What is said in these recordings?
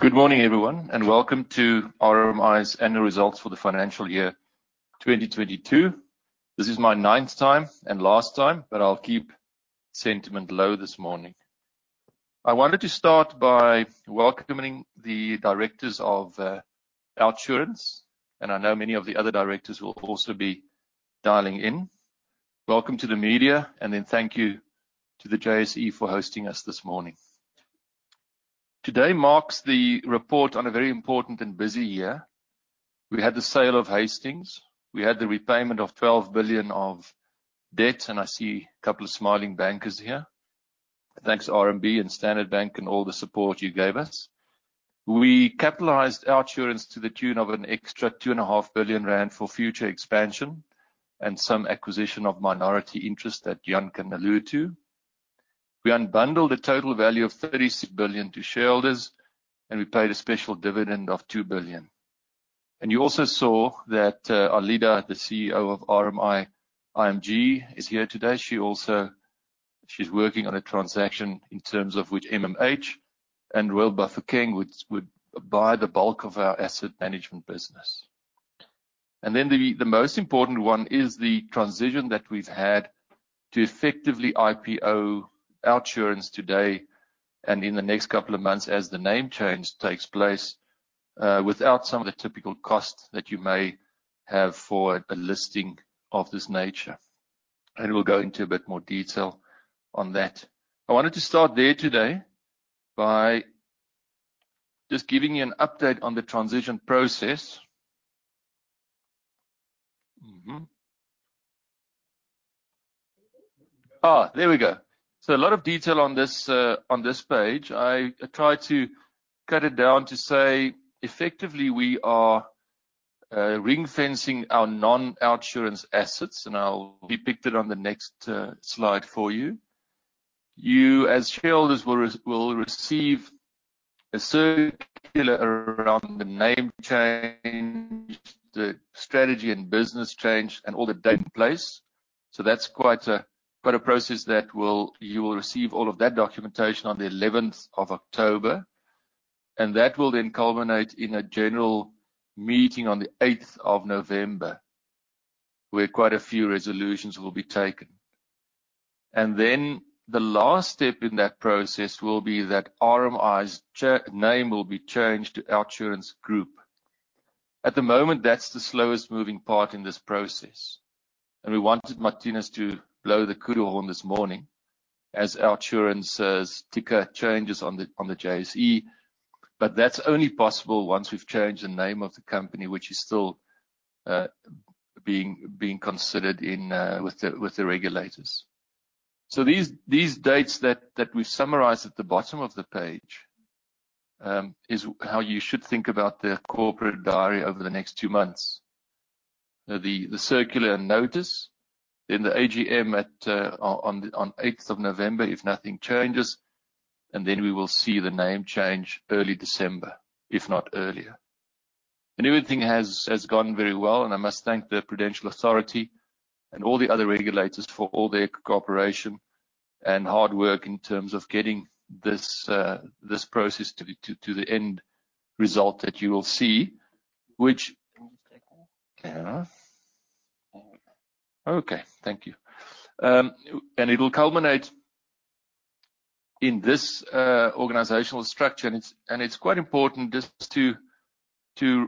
Good morning, everyone, and welcome to RMI's annual results for the financial year 2022. This is my ninth time and last time, but I'll keep sentiment low this morning. I wanted to start by welcoming the directors of OUTsurance, and I know many of the other directors will also be dialing in. Welcome to the media, and then thank you to the JSE for hosting us this morning. Today marks the report on a very important and busy year. We had the sale of Hastings. We had the repayment of 12 billion of debt, and I see a couple of smiling bankers here. Thanks, RMB and Standard Bank, and all the support you gave us. We capitalized OUTsurance to the tune of an extra 2.5 billion rand for future expansion and some acquisition of minority interest that Jan can allude to. We unbundled a total value of 36 billion to shareholders, and we paid a special dividend of 2 billion. You also saw that, Alida, the CEO of RMI IMG, is here today. She's working on a transaction in terms of which MMH and Royal Bafokeng Holdings would buy the bulk of our asset management business. The most important one is the transition that we've had to effectively IPO OUTsurance today and in the next couple of months as the name change takes place, without some of the typical costs that you may have for a listing of this nature. We'll go into a bit more detail on that. I wanted to start there today by just giving you an update on the transition process. There we go. So a lot of detail on this page. I tried to cut it down to say effectively we are ring-fencing our non-OUTsurance assets, and I'll depict it on the next slide for you. You, as shareholders, will receive a circular around the name change, the strategy and business change and all that takes place. That's quite a process that will. You will receive all of that documentation on the eleventh of October, and that will then culminate in a general meeting on the eighth of November, where quite a few resolutions will be taken. The last step in that process will be that RMI's name will be changed to OUTsurance Group. At the moment, that's the slowest moving part in this process. We wanted Marthinus to blow the kudu horn this morning as OUTsurance's ticker changes on the JSE. That's only possible once we've changed the name of the company, which is still being considered with the regulators. These dates that we summarize at the bottom of the page is how you should think about the corporate diary over the next two months. The circular notice, then the AGM on 8th of November, if nothing changes. Then we will see the name change early December, if not earlier. Everything has gone very well, and I must thank the Prudential Authority and all the other regulators for all their cooperation and hard work in terms of getting this process to the end result that you will see. Okay. Thank you. It will culminate in this organizational structure, and it's quite important just to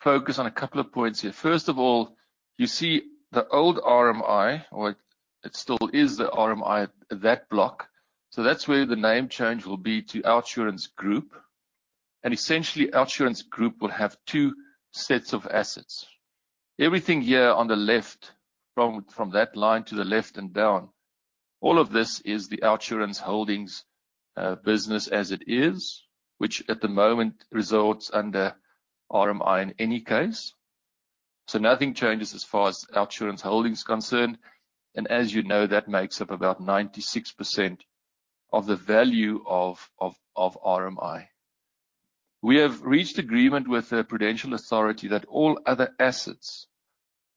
focus on a couple of points here. First of all, you see the old RMI, or it still is the RMI, that block. That's where the name change will be to OUTsurance Group. Essentially, OUTsurance Group will have two sets of assets. Everything here on the left, from that line to the left and down, all of this is the OUTsurance Holdings business as it is, which at the moment resides under RMI in any case. Nothing changes as far as OUTsurance Holdings is concerned. As you know, that makes up about 96% of the value of RMI. We have reached agreement with the Prudential Authority that all other assets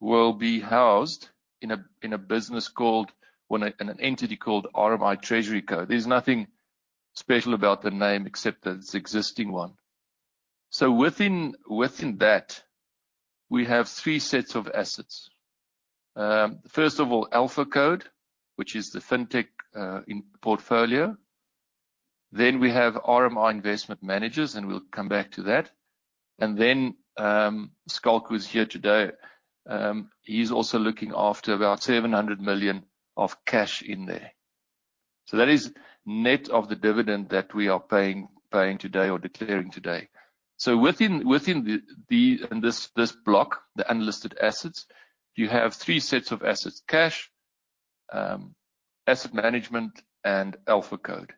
will be housed in an entity called RMI TreasuryCo. There's nothing special about the name except that it's existing one. Within that, we have three sets of assets. First of all, AlphaCode, which is the fintech in portfolio. Then we have RMI Investment Managers, and we'll come back to that. And then, Schalk who is here today, he's also looking after 700 million of cash in there. That is net of the dividend that we are paying today or declaring today. Within this block, the unlisted assets, you have three sets of assets: cash, asset management, and AlphaCode.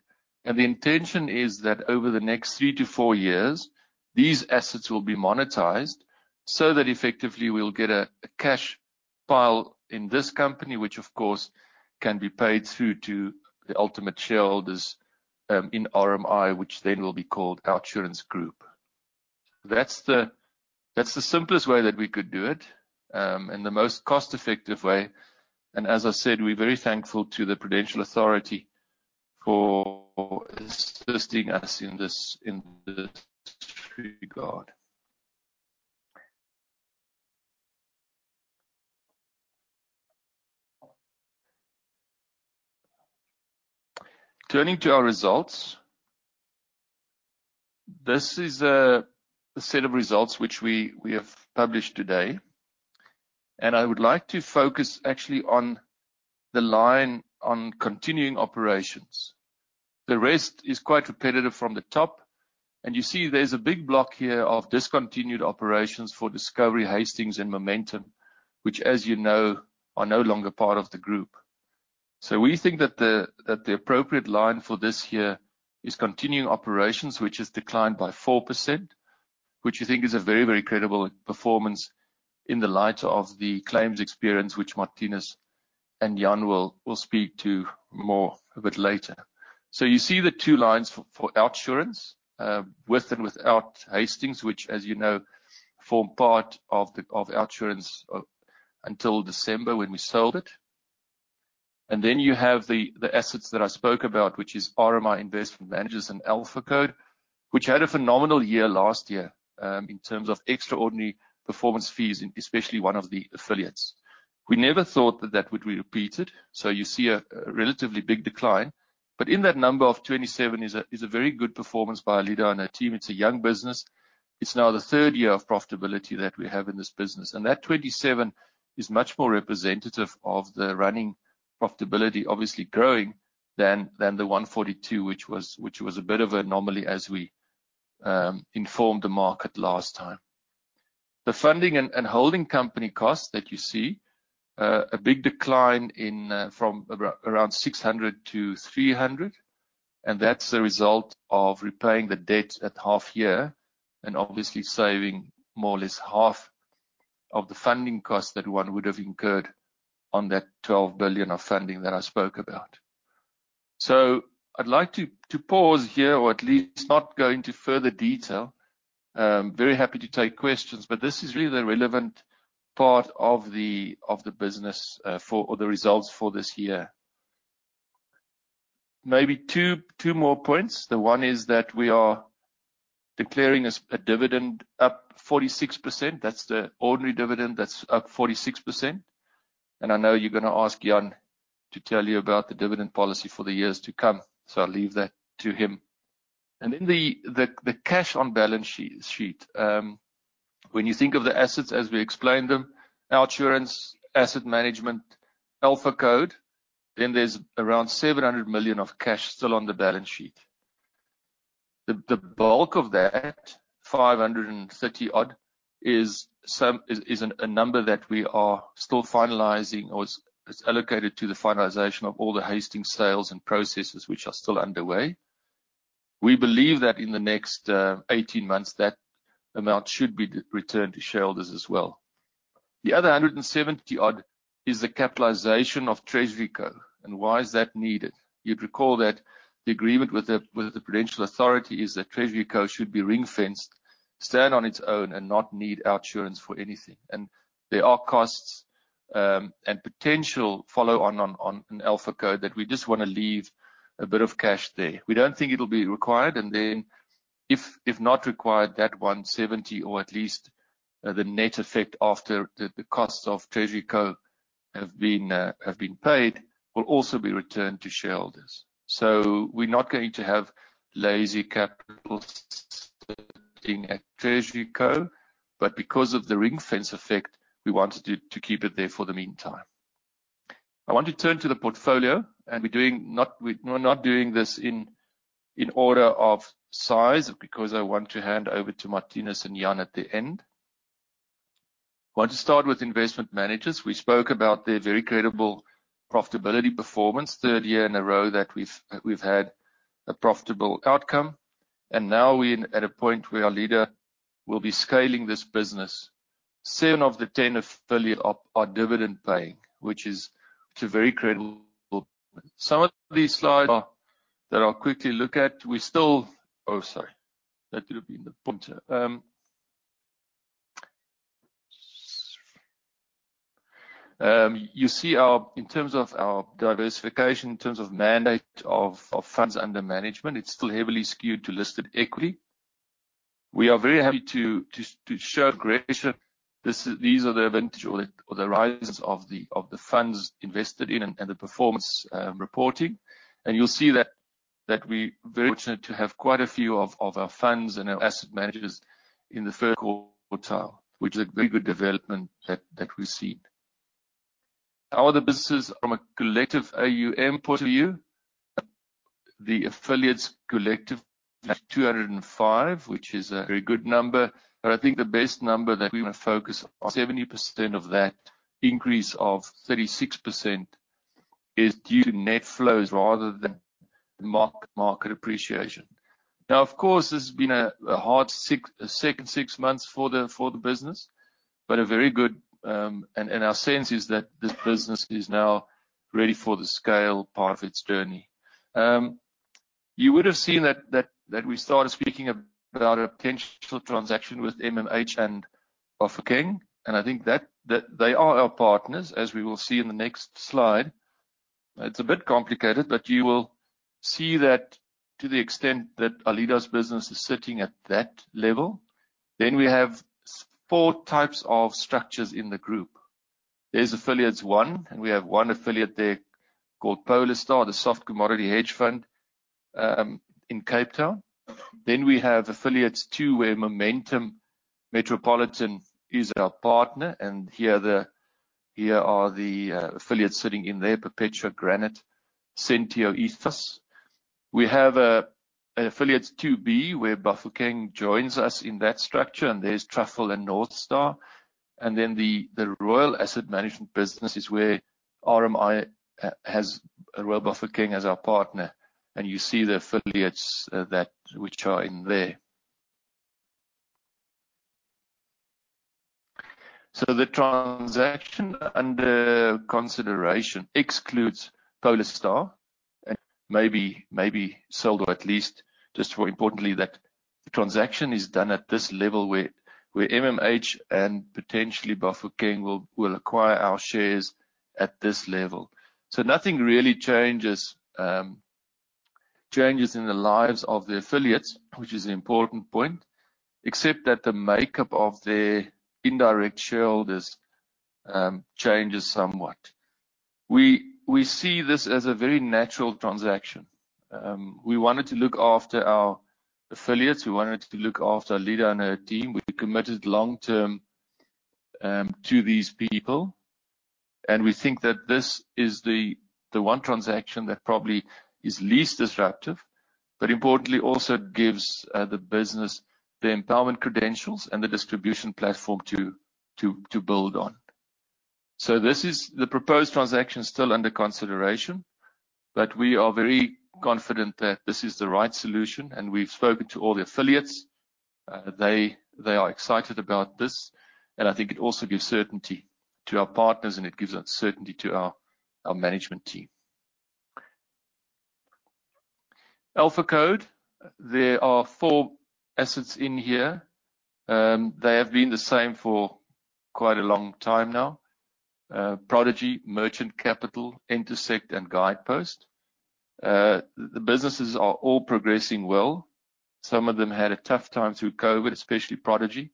The intention is that over the next three to four years, these assets will be monetized so that effectively we'll get a cash pile in this company, which of course can be paid through to the ultimate shareholders in RMI, which then will be called OUTsurance Group. That's the simplest way that we could do it, and the most cost-effective way. As I said, we're very thankful to the Prudential Authority for assisting us in this regard. Turning to our results. This is the set of results which we have published today, and I would like to focus actually on the line on continuing operations. The rest is quite repetitive from the top. You see there's a big block here of discontinued operations for Discovery, Hastings, and Momentum, which as you know, are no longer part of the group. We think that the appropriate line for this here is continuing operations, which has declined by 4%, which you think is a very, very credible performance in the light of the claims experience, which Marthinus and Jan will speak to more a bit later. You see the two lines for OUTsurance, with and without Hastings, which as you know, form part of OUTsurance until December when we sold it. Then you have the assets that I spoke about, which is RMI Investment Managers and AlphaCode, which had a phenomenal year last year, in terms of extraordinary performance fees, and especially one of the affiliates. We never thought that that would be repeated, so you see a relatively big decline. In that number of 27 is a very good performance by Alida and her team. It's a young business. It's now the third year of profitability that we have in this business. That 27 is much more representative of the running profitability, obviously growing than the 142, which was a bit of an anomaly as we informed the market last time. The funding and holding company costs that you see, a big decline in, from around 600 million to 300 million, and that's a result of repaying the debt at half year and obviously saving more or less half of the funding costs that one would have incurred on that 12 billion of funding that I spoke about. I'd like to pause here or at least not go into further detail. Very happy to take questions, but this is really the relevant part of the business for the results for this year. Maybe two more points. The one is that we are declaring as a dividend up 46%. That's the ordinary dividend that's up 46%. I know you're gonna ask Jan to tell you about the dividend policy for the years to come, so I'll leave that to him. The cash on balance sheet. When you think of the assets as we explained them, OUTsurance, Asset Management, AlphaCode, then there's around 700 million of cash still on the balance sheet. The bulk of that, 530-odd, is some... Is a number that we are still finalizing or is allocated to the finalization of all the Hastings sales and processes which are still underway. We believe that in the next 18 months, that amount should be re-returned to shareholders as well. The other 170-odd is the capitalization of TreasuryCo. Why is that needed? You'd recall that the agreement with the Prudential Authority is that TreasuryCo should be ring-fenced, stand on its own, and not need OUTsurance for anything. There are costs and potential follow-on AlphaCode that we just wanna leave a bit of cash there. We don't think it'll be required. If not required, that 170 or at least the net effect after the costs of TreasuryCo have been paid will also be returned to shareholders. We're not going to have lazy capital at TreasuryCo, but because of the ring-fence effect, we wanted to keep it there in the meantime. I want to turn to the portfolio, and we're not doing this in order of size because I want to hand over to Marthinus and Jan at the end. Want to start with investment managers. We spoke about their very credible profitability performance. Third year in a row that we've had a profitable outcome. Now we're at a point where our leader will be scaling this business. Seven of the 10 affiliate op are dividend-paying, which is a very credible. Some of these slides that I'll quickly look at. You see, in terms of our diversification, in terms of mandate of funds under management, it's still heavily skewed to listed equity. We are very happy to show progression. These are the returns of the funds invested in and the performance reporting. You'll see that we're very fortunate to have quite a few of our funds and our asset managers in the first quartile, which is a very good development that we've seen. Our other businesses from a collective AUM point of view, the affiliates' collective 205, which is a very good number. I think the best number that we wanna focus, 70% of that increase of 36% is due to net flows rather than mark-to-market appreciation. Now, of course, this has been a hard second six months for the business. A very good. Our sense is that this business is now ready for the scale part of its journey. You would have seen that we started speaking about a potential transaction with MMH and Bafokeng, and I think that they are our partners, as we will see in the next slide. It's a bit complicated, but you will see that to the extent that Alida's business is sitting at that level. We have four types of structures in the group. There's affiliates one, and we have one affiliate there called PolarStar, the soft commodity hedge fund, in Cape Town. We have affiliates two, where Momentum Metropolitan is our partner. Here are the affiliates sitting in there. Perpetua, Granate, Sentio, Ethos. We have affiliates two B, where Bafokeng joins us in that structure, and there's Truffle and Northstar. The Royal Asset Management business is where RMI has Royal Bafokeng as our partner. You see the affiliates that which are in there. The transaction under consideration excludes PolarStar and maybe sold, or at least just more importantly, that the transaction is done at this level where MMH and potentially Bafokeng will acquire our shares at this level. Nothing really changes in the lives of the affiliates, which is an important point, except that the makeup of their indirect shareholders changes somewhat. We see this as a very natural transaction. We wanted to look after our affiliates. We wanted to look after Alida and her team. We committed long term to these people, and we think that this is the one transaction that probably is least disruptive, but importantly also gives the business the empowerment credentials and the distribution platform to build on. This is the proposed transaction still under consideration, but we are very confident that this is the right solution. We've spoken to all the affiliates. They are excited about this, and I think it also gives certainty to our partners, and it gives us certainty to our management team. AlphaCode. There are four assets in here. They have been the same for quite a long time now. Prodigy, Merchant Capital, Entersekt, and Guidepost. The businesses are all progressing well. Some of them had a tough time through COVID, especially Prodigy,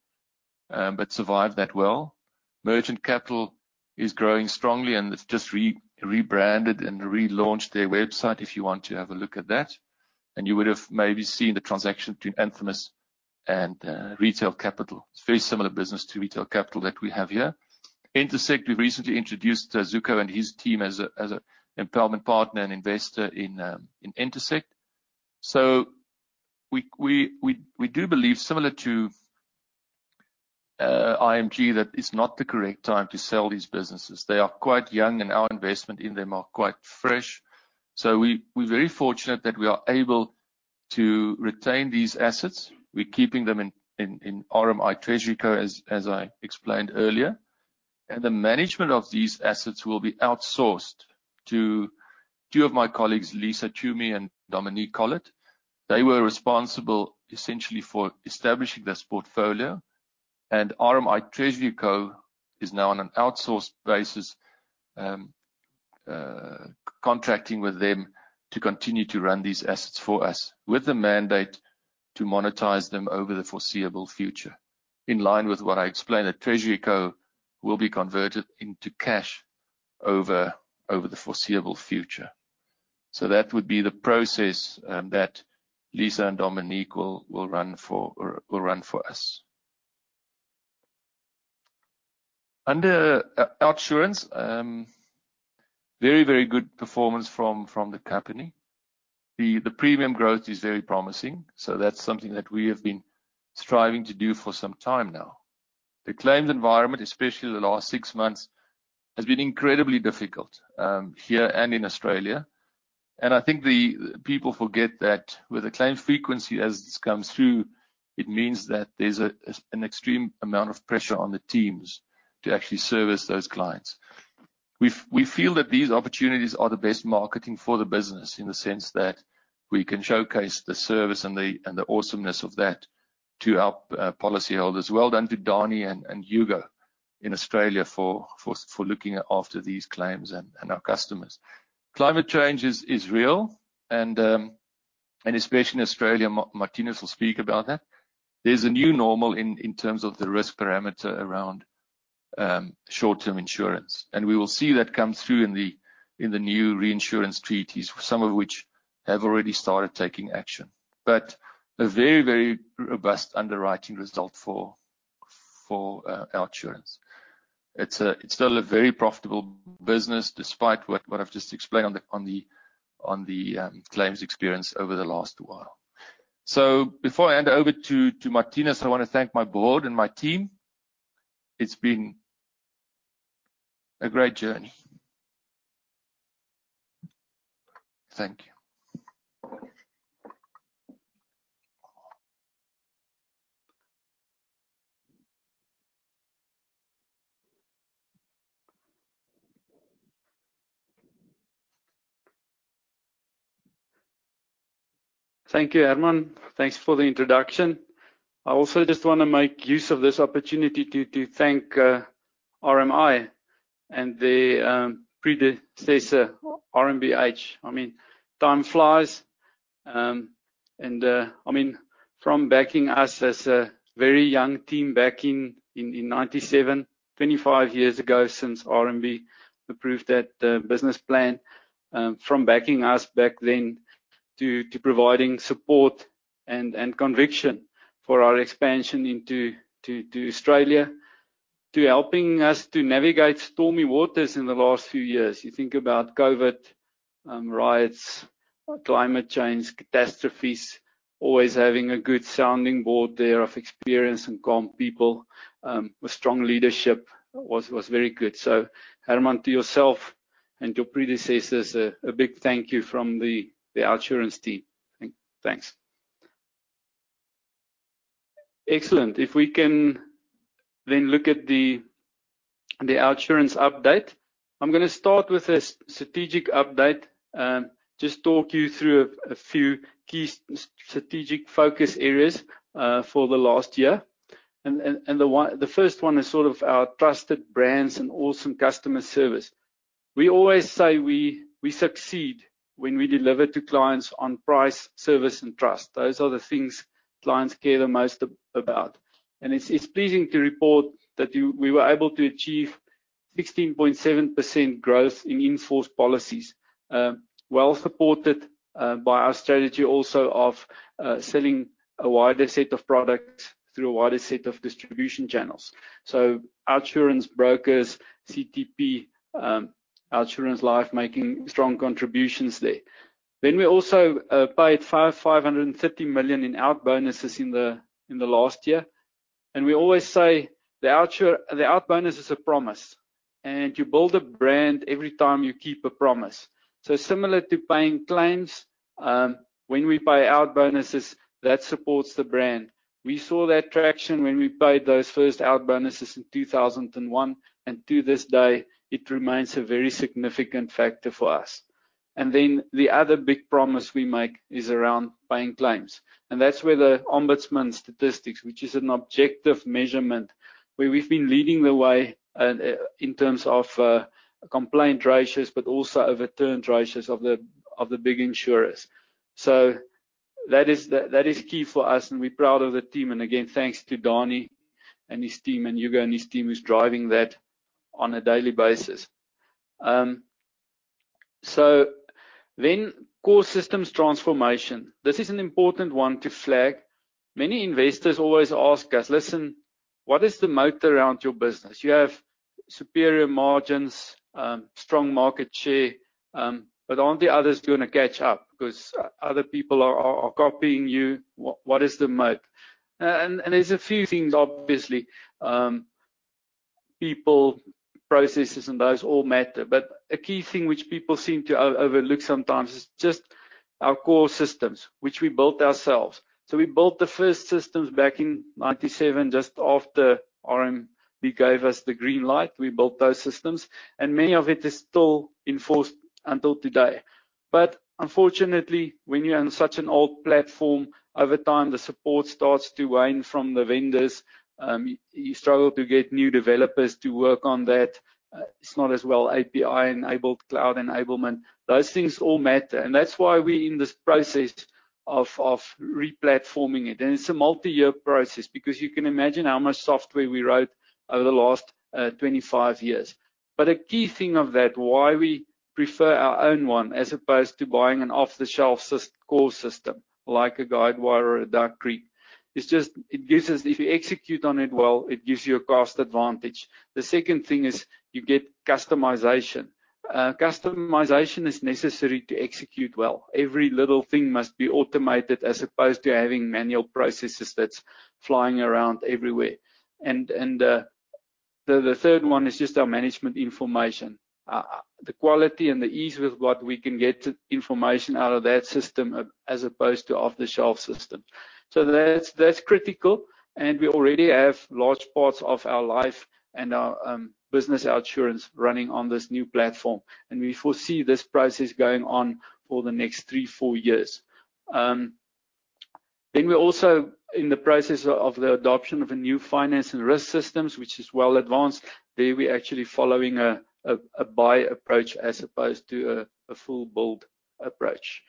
but survived that well. Merchant Capital is growing strongly, and it's just rebranded and relaunched their website, if you want to have a look at that. You would have maybe seen the transaction between Infamous and Retail Capital. It's a very similar business to Retail Capital that we have here. Entersekt, we recently introduced Zuko and his team as a empowerment partner and investor in Entersekt. We do believe similar to IMG, that it's not the correct time to sell these businesses. They are quite young, and our investment in them are quite fresh. We're very fortunate that we are able to retain these assets. We're keeping them in RMI TreasuryCo, as I explained earlier. The management of these assets will be outsourced to two of my colleagues, Lisa Twomey and Dominique Collett. They were responsible essentially for establishing this portfolio. RMI TreasuryCo is now on an outsourced basis, contracting with them to continue to run these assets for us with the mandate to monetize them over the foreseeable future. In line with what I explained, that TreasuryCo will be converted into cash over the foreseeable future. That would be the process that Lisa and Dominique will run for us. Under OUTsurance, very, very good performance from the company. The premium growth is very promising. That's something that we have been striving to do for some time now. The claims environment, especially the last six months, has been incredibly difficult, here and in Australia. I think people forget that with the claim frequency as this comes through, it means that there's an extreme amount of pressure on the teams to actually service those clients. We feel that these opportunities are the best marketing for the business in the sense that we can showcase the service and the awesomeness of that to our policyholders. Well done to Dani and Hugo in Australia for looking after these claims and our customers. Climate change is real and especially in Australia. Marthinus will speak about that. There's a new normal in terms of the risk parameter around short-term insurance. We will see that come through in the new reinsurance treaties, some of which have already started taking action. A very robust underwriting result for OUTsurance. It's still a very profitable business despite what I've just explained on the claims experience over the last while. Before I hand over to Marthinus, I wanna thank my board and my team. It's been a great journey. Thank you. Thank you, Herman. Thanks for the introduction. I also just wanna make use of this opportunity to thank RMI and their predecessor, RMBH. I mean, time flies. I mean, from backing us as a very young team back in 1997, 25 years ago since RMB approved that business plan. From backing us back then to providing support and conviction for our expansion into Australia, to helping us to navigate stormy waters in the last few years. You think about COVID, riots, climate change, catastrophes. Always having a good sounding board there of experienced and calm people with strong leadership was very good. Herman, to yourself and your predecessors, a big thank you from the OUTsurance team. Thanks. Excellent. If we can then look at the OUTsurance update. I'm gonna start with a strategic update, just talk you through a few key strategic focus areas for the last year. The first one is sort of our trusted brands and awesome customer service. We always say we succeed when we deliver to clients on price, service, and trust. Those are the things clients care the most about. It's pleasing to report that we were able to achieve 16.7% growth in in-force policies, well supported by our strategy also of selling a wider set of products through a wider set of distribution channels. OUTsurance Brokers, CTP, OUTsurance Life making strong contributions there. We also paid 550 million in OUTbonus in the last year. We always say the OUTbonus is a promise, and you build a brand every time you keep a promise. Similar to paying claims, when we pay out bonuses, that supports the brand. We saw that traction when we paid those first OUTbonuses in 2001. To this day, it remains a very significant factor for us. Then the other big promise we make is around paying claims. That's where the ombudsman statistics, which is an objective measurement, where we've been leading the way, in terms of, complaint ratios but also overturned ratios of the big insurers. That is key for us, and we're proud of the team. Again, thanks to Dani and his team, and Hugo and his team who's driving that on a daily basis. Core systems transformation. This is an important one to flag. Many investors always ask us, "Listen, what is the moat around your business? You have superior margins, strong market share, but aren't the others gonna catch up 'cause other people are copying you? What is the moat?" There's a few things, obviously. People, processes and those all matter. A key thing which people seem to overlook sometimes is just our core systems, which we built ourselves. We built the first systems back in 1997, just after RMB gave us the green light. We built those systems, and many of it is still in force until today. Unfortunately, when you're on such an old platform, over time the support starts to wane from the vendors. You struggle to get new developers to work on that. It's not as well API-enabled, cloud enablement. Those things all matter, and that's why we're in this process of re-platforming it. It's a multi-year process because you can imagine how much software we wrote over the last 25 years. A key thing of that, why we prefer our own one as opposed to buying an off-the-shelf core system, like a Guidewire or a Duck Creek, is just it gives us. If you execute on it well, it gives you a cost advantage. The second thing is you get customization. Customization is necessary to execute well. Every little thing must be automated as opposed to having manual processes that's flying around everywhere. The third one is just our management information. The quality and the ease with what we can get information out of that system as opposed to off-the-shelf system. That's critical. We already have large parts of our life and our business OUTsurance running on this new platform, and we foresee this process going on for the next three, four years. We're also in the process of the adoption of a new finance and risk systems, which is well advanced. There we're actually following a buy approach as opposed to a full build approach.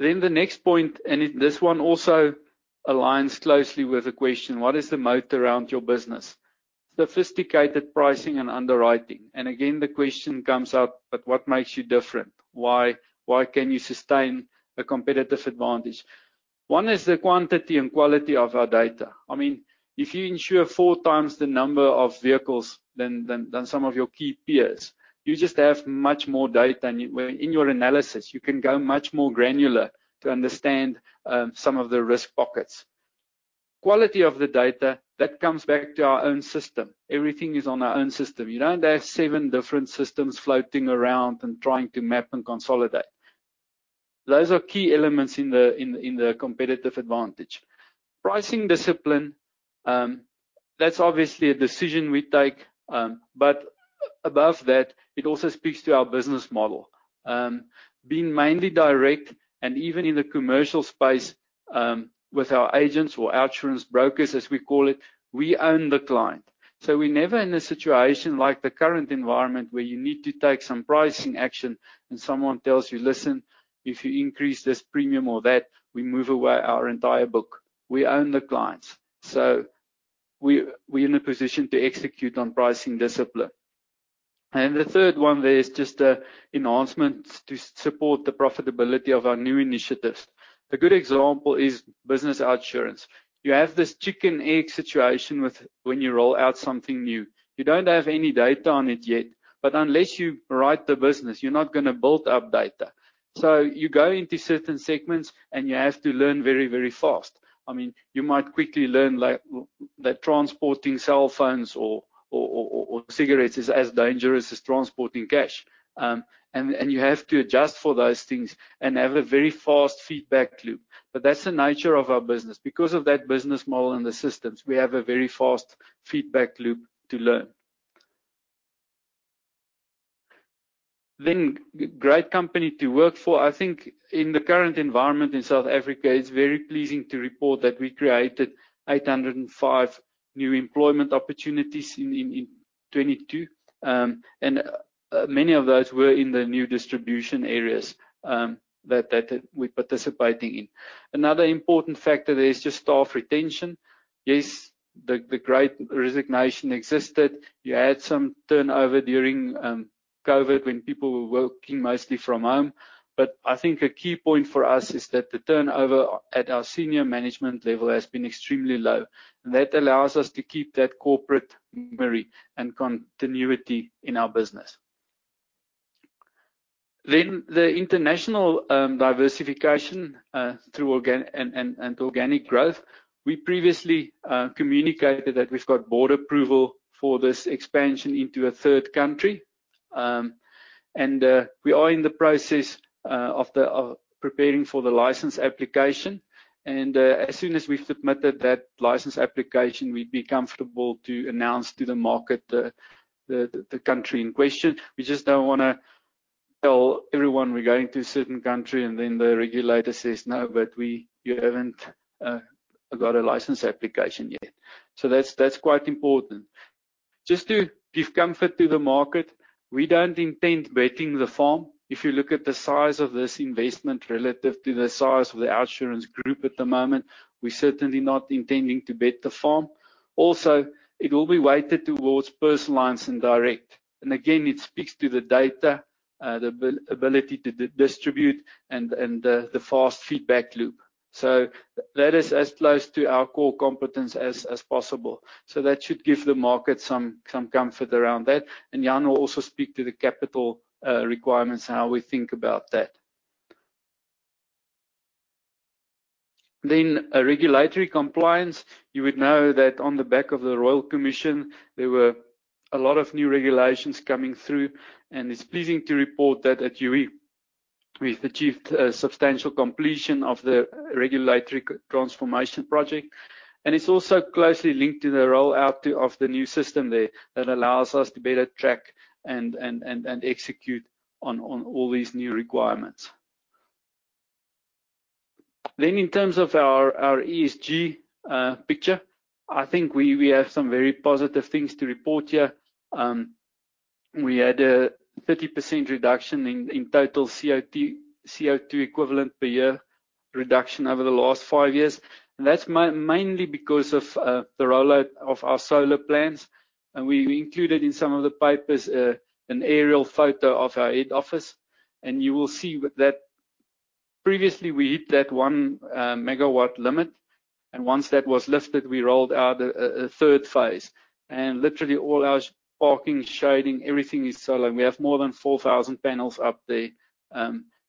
The next point, this one also aligns closely with the question: What is the moat around your business? Sophisticated pricing and underwriting. Again, the question comes up, "But what makes you different? Why can you sustain a competitive advantage?" One is the quantity and quality of our data. I mean, if you insure 4x the number of vehicles than some of your key peers, you just have much more data, where in your analysis, you can go much more granular to understand some of the risk pockets. Quality of the data, that comes back to our own system. Everything is on our own system. You don't have seven different systems floating around and trying to map and consolidate. Those are key elements in the competitive advantage. Pricing discipline, that's obviously a decision we take, but above that, it also speaks to our business model. Being mainly direct and even in the commercial space, with our agents or OUTsurance Brokers, as we call it, we own the client. We're never in a situation like the current environment where you need to take some pricing action, and someone tells you, "Listen, if you increase this premium or that, we move away our entire book." We own the clients, so we're in a position to execute on pricing discipline. The third one there is just enhancements to support the profitability of our new initiatives. A good example is business insurance. You have this chicken-and-egg situation when you roll out something new. You don't have any data on it yet, but unless you write the business, you're not gonna build up data. You go into certain segments, and you have to learn very, very fast. I mean, you might quickly learn like that transporting cell phones or cigarettes is as dangerous as transporting cash. You have to adjust for those things and have a very fast feedback loop. But that's the nature of our business. Because of that business model and the systems, we have a very fast feedback loop to learn. Great company to work for. I think in the current environment in South Africa, it's very pleasing to report that we created 805 new employment opportunities in 2022. Many of those were in the new distribution areas that we're participating in. Another important factor there is just staff retention. Yes, the great resignation existed. You had some turnover during COVID when people were working mostly from home. I think a key point for us is that the turnover at our senior management level has been extremely low, and that allows us to keep that corporate memory and continuity in our business. The international diversification through organic growth. We previously communicated that we've got board approval for this expansion into a third country. We are in the process of preparing for the license application. As soon as we've submitted that license application, we'd be comfortable to announce to the market the country in question. We just don't wanna tell everyone we're going to a certain country, and then the regulator says, "No, but you haven't got a license application yet." That's quite important. Just to give comfort to the market, we don't intend betting the farm. If you look at the size of this investment relative to the size of the OUTsurance Group at the moment, we're certainly not intending to bet the farm. Also, it will be weighted towards personal lines and direct. Again, it speaks to the data, the viability to distribute and the fast feedback loop. That is as close to our core competence as possible. That should give the market some comfort around that. Jan will also speak to the capital requirements and how we think about that. Regulatory compliance. You would know that on the back of the Royal Commission, there were a lot of new regulations coming through, and it's pleasing to report that at Youi we've achieved a substantial completion of the regulatory transformation project. It's also closely linked to the rollout of the new system there that allows us to better track and execute on all these new requirements. In terms of our ESG picture, I think we have some very positive things to report here. We had a 30% reduction in total tCO2e per year reduction over the last five years. That's mainly because of the rollout of our solar plans. We included in some of the papers an aerial photo of our head office. You will see with that previously we hit that 1 MW limit. Once that was lifted, we rolled out a third phase. Literally all our parking, shading, everything is solar. We have more than 4,000 panels up there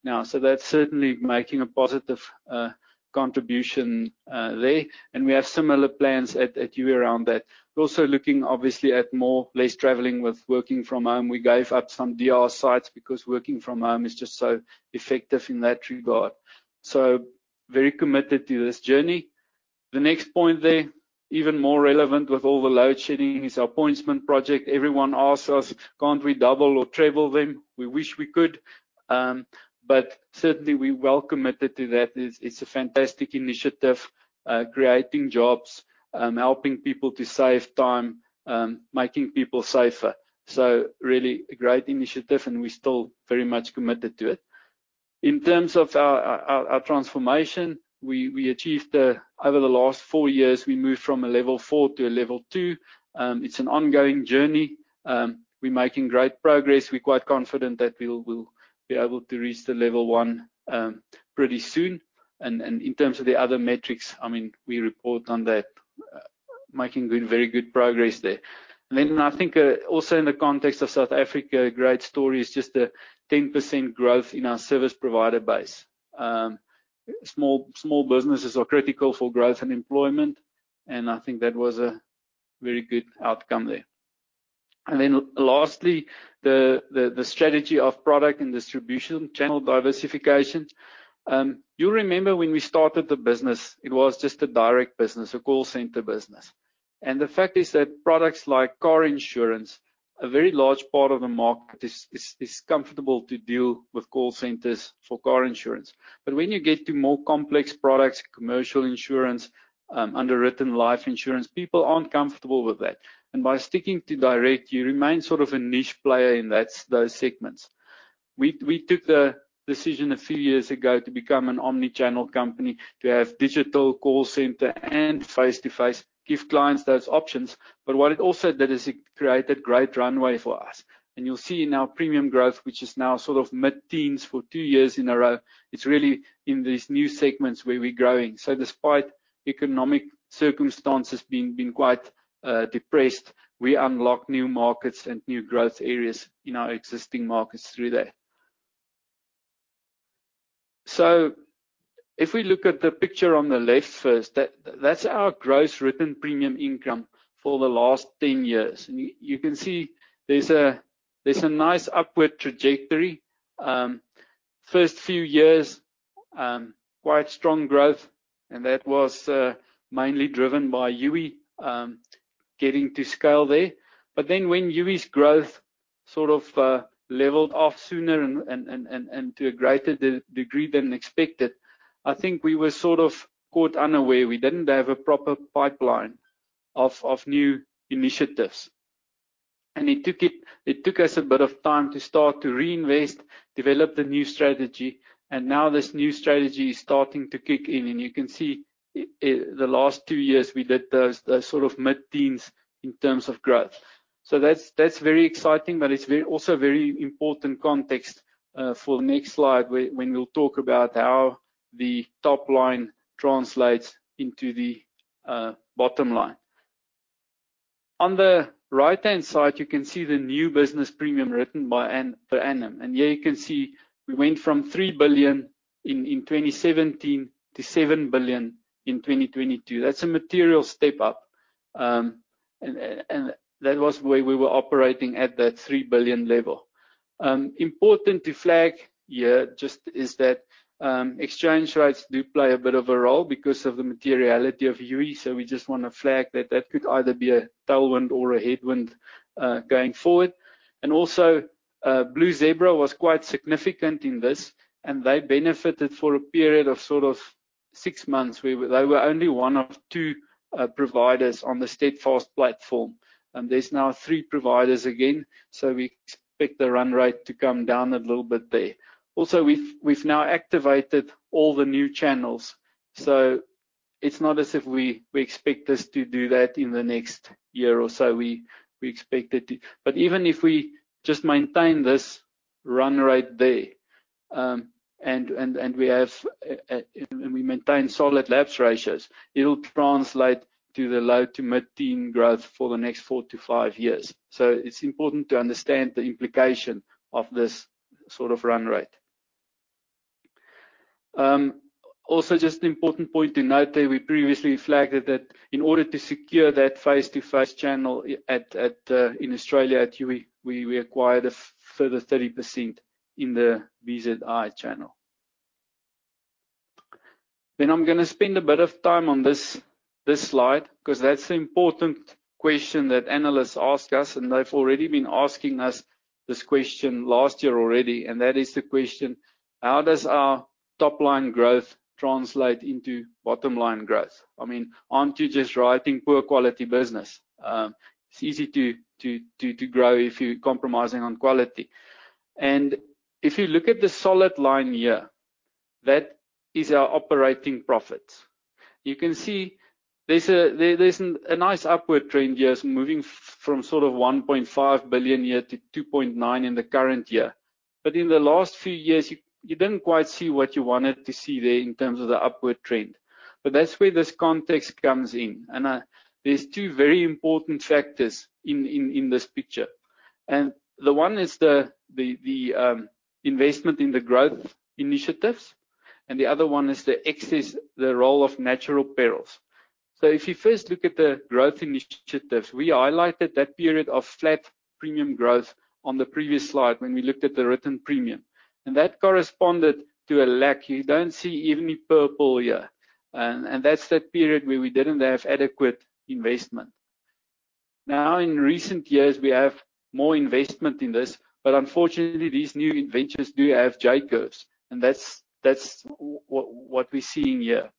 now. That's certainly making a positive contribution there. We have similar plans at Youi around that. We're also looking obviously at more or less traveling with working from home. We gave up some DR sites because working from home is just so effective in that regard. Very committed to this journey. The next point there, even more relevant with all the load shedding, is our Pointsman Project. Everyone asks us, "Can't we double or treble them?" We wish we could, but certainly we're well committed to that. It's a fantastic initiative, creating jobs, helping people to save time, making people safer. Really a great initiative, and we're still very much committed to it. In terms of our transformation, we achieved over the last four years, we moved from a level four to a level two. It's an ongoing journey. We're making great progress. We're quite confident that we'll be able to reach the level one pretty soon. In terms of the other metrics, I mean, we report on that. Making good, very good progress there. I think also in the context of South Africa, a great story is just a 10% growth in our service provider base. Small businesses are critical for growth and employment, and I think that was a very good outcome there. Lastly, the strategy of product and distribution channel diversification. You remember when we started the business, it was just a direct business, a call center business. The fact is that products like car insurance, a very large part of the market is comfortable to deal with call centers for car insurance. But when you get to more complex products, commercial insurance, underwritten life insurance, people aren't comfortable with that. By sticking to direct, you remain sort of a niche player, and that's those segments. We took the decision a few years ago to become an omni-channel company, to have digital, call center and face-to-face, give clients those options. But what it also did is it created great runway for us. You'll see in our premium growth, which is now sort of mid-teens for two years in a row. It's really in these new segments where we're growing. Despite economic circumstances being quite depressed, we unlock new markets and new growth areas in our existing markets through that. If we look at the picture on the left first, that's our gross written premium income for the last 10 years. You can see there's a nice upward trajectory. First few years, quite strong growth, and that was mainly driven by Youi getting to scale there. Then when Youi's growth sort of leveled off sooner and to a greater degree than expected, I think we were sort of caught unaware. We didn't have a proper pipeline of new initiatives. It took us a bit of time to start to reinvest, develop the new strategy, and now this new strategy is starting to kick in. You can see in the last two years, we did those sort of mid-teens in terms of growth. That's very exciting, but it's also very important context for next slide when we'll talk about how the top line translates into the bottom line. On the right-hand side, you can see the new business premium written per annum. Here you can see we went from 3 billion in 2017 to 7 billion in 2022. That's a material step up. And that was where we were operating at that 3 billion level. Important to flag here just is that, exchange rates do play a bit of a role because of the materiality of Youi, so we just wanna flag that could either be a tailwind or a headwind, going forward. Also, Blue Zebra was quite significant in this, and they benefited for a period of sort of six months, where they were only one of two providers on the Steadfast platform. There are now three providers again, so we expect the run rate to come down a little bit there. Also, we've now activated all the new channels, so it's not as if we expect this to do that in the next year or so. We expect it to. Even if we just maintain this run rate there, and we maintain solid lapse ratios, it'll translate to low- to mid-teens growth for the next four-five years. It's important to understand the implication of this sort of run rate. Also just an important point to note there, we previously flagged that in order to secure that face-to-face channel at in Australia at Youi, we acquired a further 30% in the BZI channel. I'm gonna spend a bit of time on this slide because that's the important question that analysts ask us, and they've already been asking us this question last year already. That is the question. How does our top line growth translate into bottom line growth? I mean, aren't you just writing poor quality business? It's easy to grow if you're compromising on quality. If you look at the solid line here, that is our operating profits. You can see there's a nice upward trend here. It's moving from sort of 1.5 billion a year to 2.9 billion in the current year. In the last few years, you didn't quite see what you wanted to see there in terms of the upward trend. That's where this context comes in. There's two very important factors in this picture. The one is the investment in the growth initiatives, and the other one is the role of natural perils. If you first look at the growth initiatives, we highlighted that period of flat premium growth on the previous slide when we looked at the written premium. That corresponded to a lack. You don't see even in purple here. That's that period where we didn't have adequate investment. Now, in recent years, we have more investment in this, but unfortunately, these new ventures do have J-curves, and that's what we're seeing here.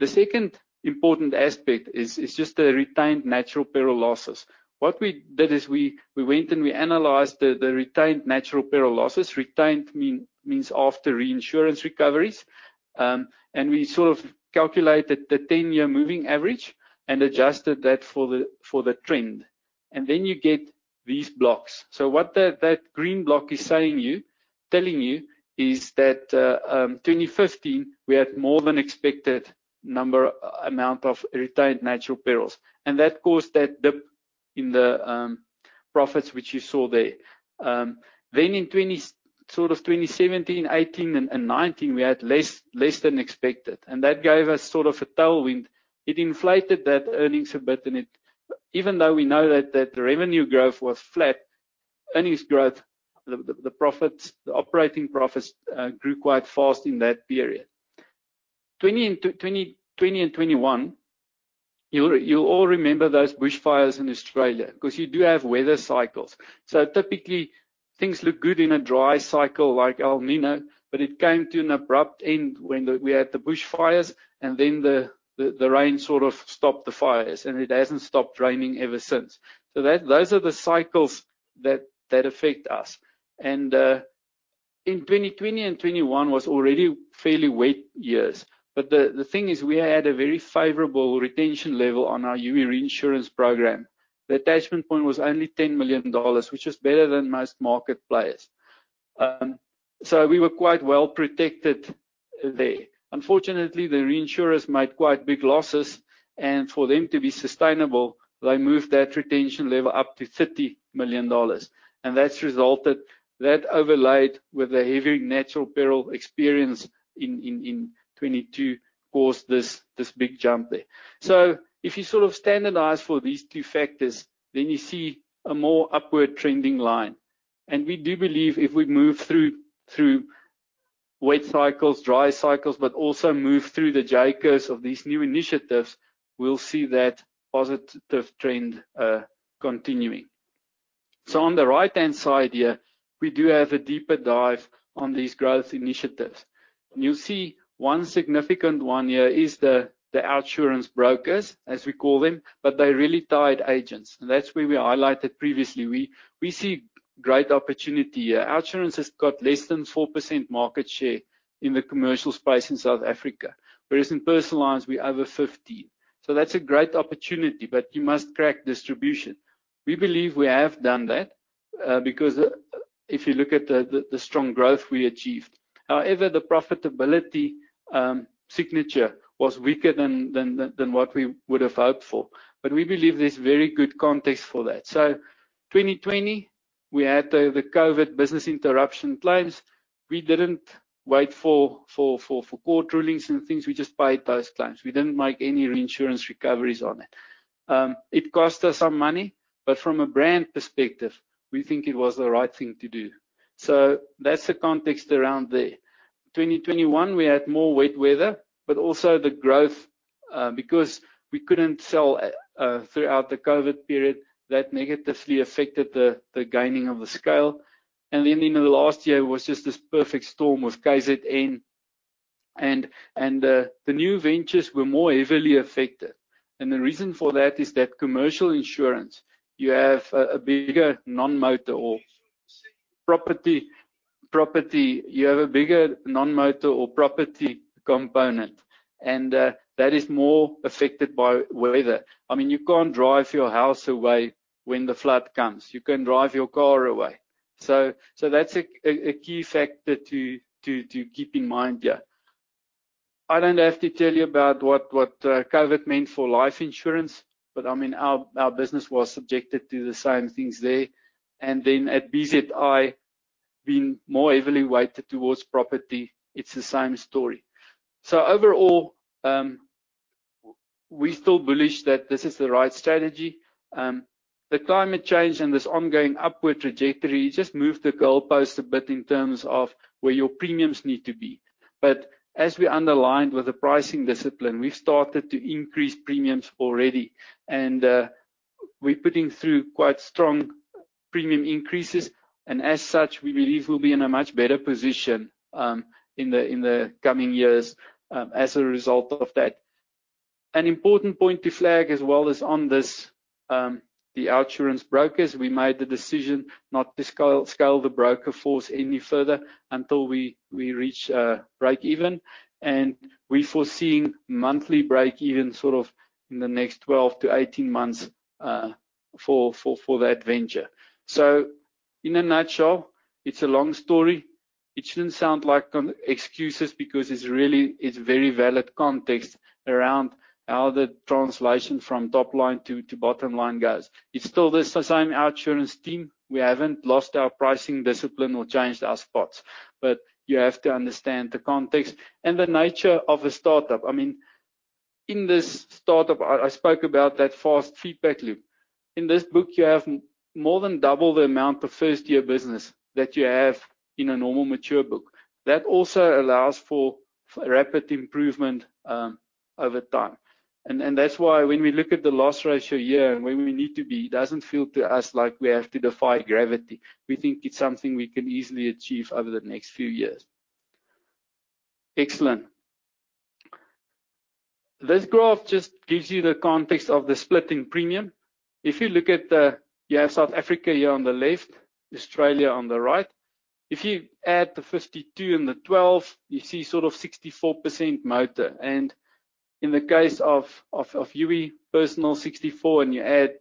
The second important aspect is just the retained natural peril losses. What we did is we went and we analyzed the retained natural peril losses. Retained means after reinsurance recoveries. We sort of calculated the 10-year moving average and adjusted that for the trend. Then you get these blocks. What that green block is saying to you, telling you is that, 2015, we had more than expected amount of retained natural perils, and that caused that dip in the profits which you saw there. Then in sort of 2017, 2018 and 2019, we had less than expected, and that gave us sort of a tailwind. It inflated that earnings a bit, and it. Even though we know that the revenue growth was flat, earnings growth, the profits, the operating profits, grew quite fast in that period. 2020 and 2021, you'll all remember those bushfires in Australia because you do have weather cycles. Typically, things look good in a dry cycle like El Niño, but it came to an abrupt end when we had the bushfires and then the rain sort of stopped the fires, and it hasn't stopped raining ever since. Those are the cycles that affect us. In 2020 and 2021 was already fairly wet years. The thing is we had a very favorable retention level on our Youi reinsurance program. The attachment point was only $10 million, which is better than most market players. We were quite well protected there. Unfortunately, the reinsurers made quite big losses, and for them to be sustainable, they moved that retention level up to $50 million. That's resulted. That overlaid with the heavy natural peril experience in 2022 caused this big jump there. If you sort of standardize for these two factors, then you see a more upward trending line. We do believe if we move through wet cycles, dry cycles, but also move through the J-curves of these new initiatives, we'll see that positive trend continuing. On the right-hand side here, we do have a deeper dive on these growth initiatives. You'll see one significant one here is the OUTsurance Brokers, as we call them, but they're really tied agents. That's where we highlighted previously. We see great opportunity here. OUTsurance Brokers has got less than 4% market share in the commercial space in South Africa. Whereas in personal lines, we're over 50%. That's a great opportunity, but you must crack distribution. We believe we have done that, because if you look at the strong growth we achieved. However, the profitability signature was weaker than what we would have hoped for. We believe there's very good context for that. 2020, we had the COVID business interruption claims. We didn't wait for court rulings and things. We just paid those claims. We didn't make any reinsurance recoveries on it. It cost us some money, but from a brand perspective, we think it was the right thing to do. That's the context around there. 2021 we had more wet weather, but also the growth, because we couldn't sell throughout the COVID period, that negatively affected the gaining of the scale. In the last year was just this perfect storm with KZN and the new ventures were more heavily affected. The reason for that is that commercial insurance, you have a bigger non-motor or property component, and that is more affected by weather. I mean, you can't drive your house away when the flood comes. You can drive your car away. That's a key factor to keep in mind here. I don't have to tell you about what COVID meant for life insurance, but I mean, our business was subjected to the same things there. At BZI, being more heavily weighted towards property, it's the same story. Overall, we're still bullish that this is the right strategy. The climate change and this ongoing upward trajectory just moved the goalpost a bit in terms of where your premiums need to be. As we underlined with the pricing discipline, we've started to increase premiums already. We're putting through quite strong premium increases. As such, we believe we'll be in a much better position in the coming years as a result of that. An important point to flag as well is on this, the OUTsurance Brokers. We made the decision not to scale the broker force any further until we reach breakeven. We're foreseeing monthly breakeven sort of in the next 12-18 months for that venture. In a nutshell, it's a long story. It shouldn't sound like excuses because it's really, it's very valid context around how the translation from top line to bottom line goes. It's still the same OUTsurance team. We haven't lost our pricing discipline or changed our spots. You have to understand the context and the nature of a startup. I mean, in this startup, I spoke about that fast feedback loop. In this book, you have more than double the amount of first-year business that you have in a normal mature book. That also allows for rapid improvement over time. That's why when we look at the loss ratio here and where we need to be, it doesn't feel to us like we have to defy gravity. We think it's something we can easily achieve over the next few years. Excellent. This graph just gives you the context of the split in premium. If you look at, you have South Africa here on the left, Australia on the right. If you add the 52 and the 12, you see sort of 64% motor. In the case of Youi personal 64, and you add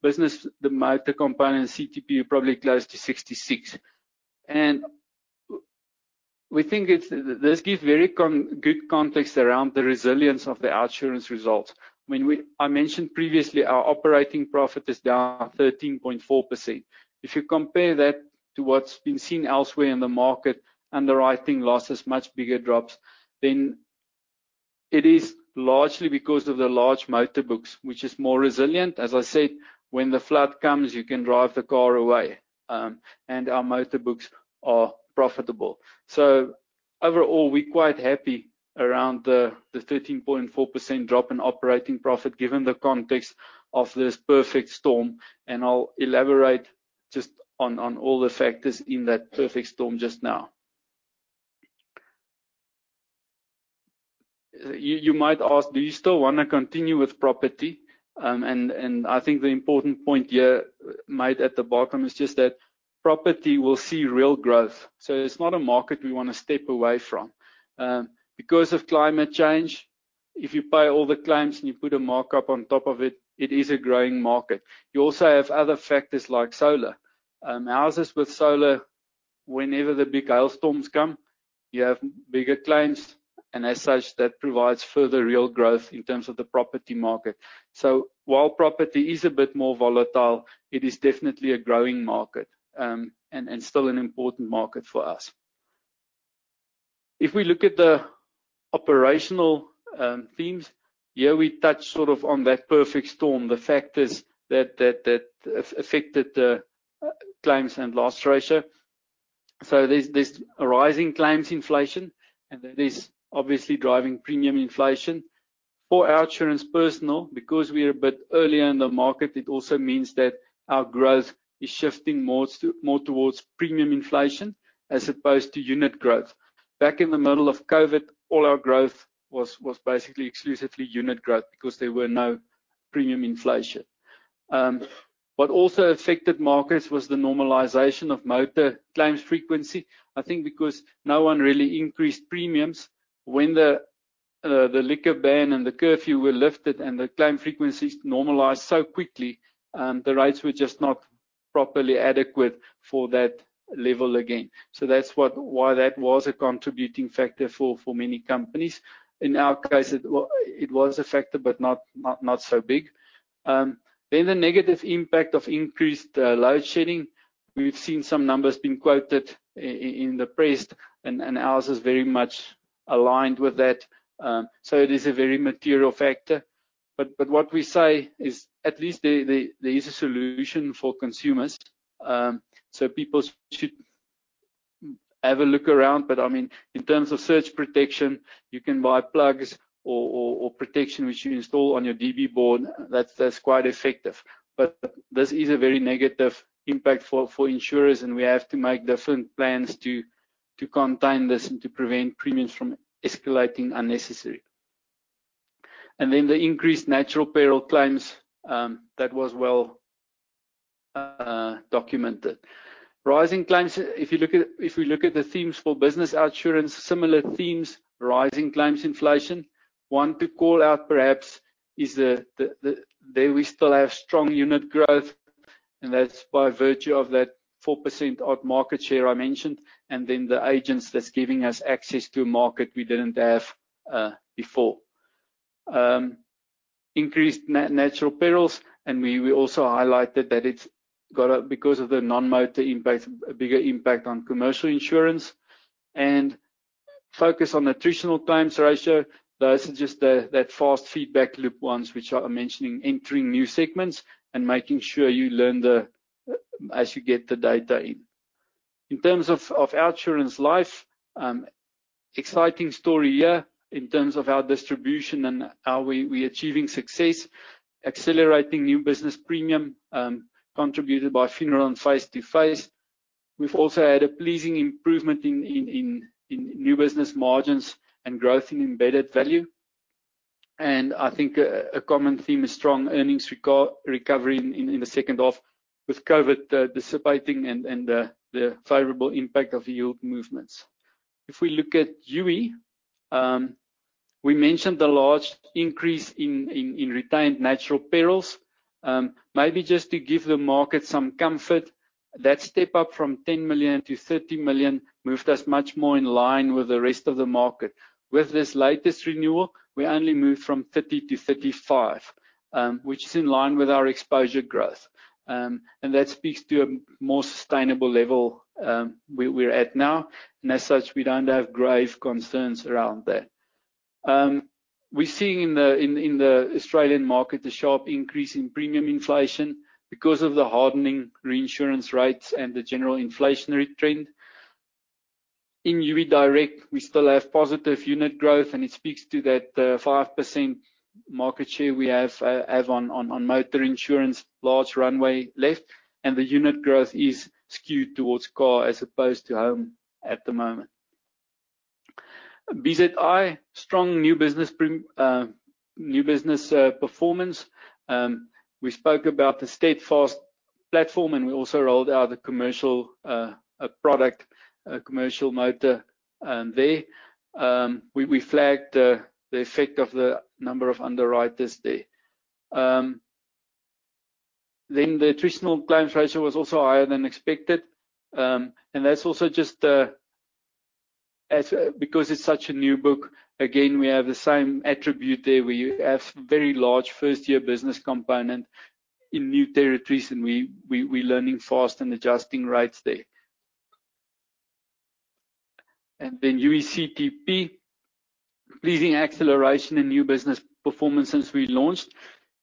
business, the motor component CTP probably close to 66. We think it's this gives very good context around the resilience of the OUTsurance results. When I mentioned previously our operating profit is down 13.4%. If you compare that to what's been seen elsewhere in the market, underwriting losses much bigger drops, then it is largely because of the large motor books, which is more resilient. As I said, when the flood comes, you can drive the car away. Our motor books are profitable. Overall, we're quite happy around the 13.4% drop in operating profit given the context of this perfect storm, and I'll elaborate just on all the factors in that perfect storm just now. You might ask, do you still wanna continue with property? I think the important point here made at the bottom is just that property will see real growth. It's not a market we wanna step away from. Because of climate change, if you pay all the claims and you put a markup on top of it is a growing market. You also have other factors like solar. Houses with solar, whenever the big hailstorms come, you have bigger claims, and as such, that provides further real growth in terms of the property market. While property is a bit more volatile, it is definitely a growing market, and still an important market for us. If we look at the operational themes, here we touch sort of on that perfect storm, the factors that affected the claims and loss ratio. There's a rising claims inflation, and that is obviously driving premium inflation. For OUTsurance Personal, because we're a bit earlier in the market, it also means that our growth is shifting more towards premium inflation as opposed to unit growth. Back in the middle of COVID, all our growth was basically exclusively unit growth because there were no premium inflation. What also affected markets was the normalization of motor claims frequency. I think because no one really increased premiums when the liquor ban and the curfew were lifted and the claim frequencies normalized so quickly, the rates were just not properly adequate for that level again. That's why that was a contributing factor for many companies. In our case, it was a factor, but not so big. The negative impact of increased load shedding. We've seen some numbers being quoted in the press, and ours is very much aligned with that. It is a very material factor. What we say is at least there is a solution for consumers. People should have a look around. I mean, in terms of surge protection, you can buy plugs or protection which you install on your DB board. That's quite effective. This is a very negative impact for insurers, and we have to make different plans to contain this and to prevent premiums from escalating unnecessarily. Then the increased natural peril claims, that was well documented. Rising claims, if we look at the themes for business OUTsurance, similar themes, rising claims inflation. One to call out perhaps is that we still have strong unit growth, and that's by virtue of that 4% odd market share I mentioned, and then the agents that's giving us access to a market we didn't have before. Increased natural perils, and we also highlighted that it's got a bigger impact because of the non-motor impact on commercial insurance. Focus on attritional claims ratio. This is just that fast feedback loop ones which I'm mentioning, entering new segments and making sure you learn as you get the data in. In terms of Outsurance Life, exciting story here in terms of our distribution and how we achieving success, accelerating new business premium contributed by funeral and face-to-face. We've also had a pleasing improvement in new business margins and growth in embedded value. I think a common theme is strong earnings recovery in the second half with COVID dissipating and the favorable impact of yield movements. If we look at Youi, we mentioned the large increase in retained natural perils. Maybe just to give the market some comfort, that step up from 10 million to 50 million moved us much more in line with the rest of the market. With this latest renewal, we only moved from $50 million to $55 million, which is in line with our exposure growth. That speaks to a more sustainable level we're at now. As such, we don't have grave concerns around that. We're seeing in the Australian market a sharp increase in premium inflation because of the hardening reinsurance rates and the general inflationary trend. In Youi Direct, we still have positive unit growth, and it speaks to that 5% market share we have on motor insurance, large runway left, and the unit growth is skewed towards car as opposed to home at the moment. BZI, strong new business performance. We spoke about the Steadfast platform, and we also rolled out a commercial product, a commercial motor there. We flagged the effect of the number of underwriters there. The attritional claims ratio was also higher than expected. That's also just because it's such a new book. Again, we have the same attritional there. We have very large first-year business component in new territories, and we're learning fast and adjusting rates there. Youi CTP, pleasing acceleration in new business performance since we launched.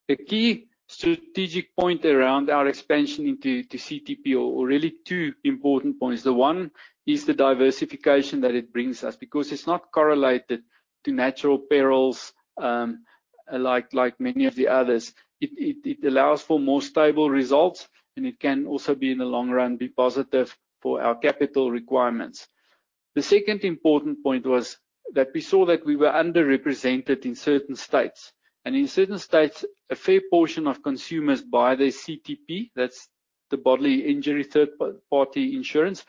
The key strategic point around our expansion into CTP or really two important points. The one is the diversification that it brings us because it's not correlated to natural perils, like many of the others. It allows for more stable results, and it can also be, in the long run, positive for our capital requirements. The second important point was that we saw that we were underrepresented in certain states. In certain states, a fair portion of consumers buy their CTP. That's the bodily injury third party insurance,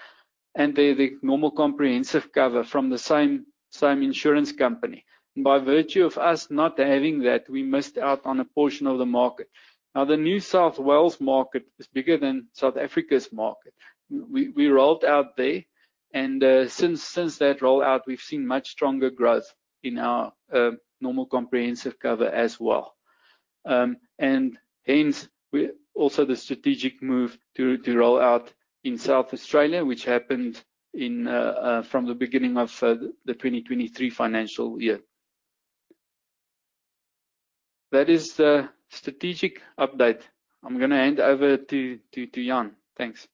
and the normal comprehensive cover from the same insurance company. By virtue of us not having that, we missed out on a portion of the market. Now, the New South Wales market is bigger than South Africa's market. We rolled out there and since that rollout, we've seen much stronger growth in our normal comprehensive cover as well. Hence also the strategic move to roll out in South Australia, which happened from the beginning of the 2023 financial year. That is the strategic update. I'm gonna hand over to Jan. Thanks.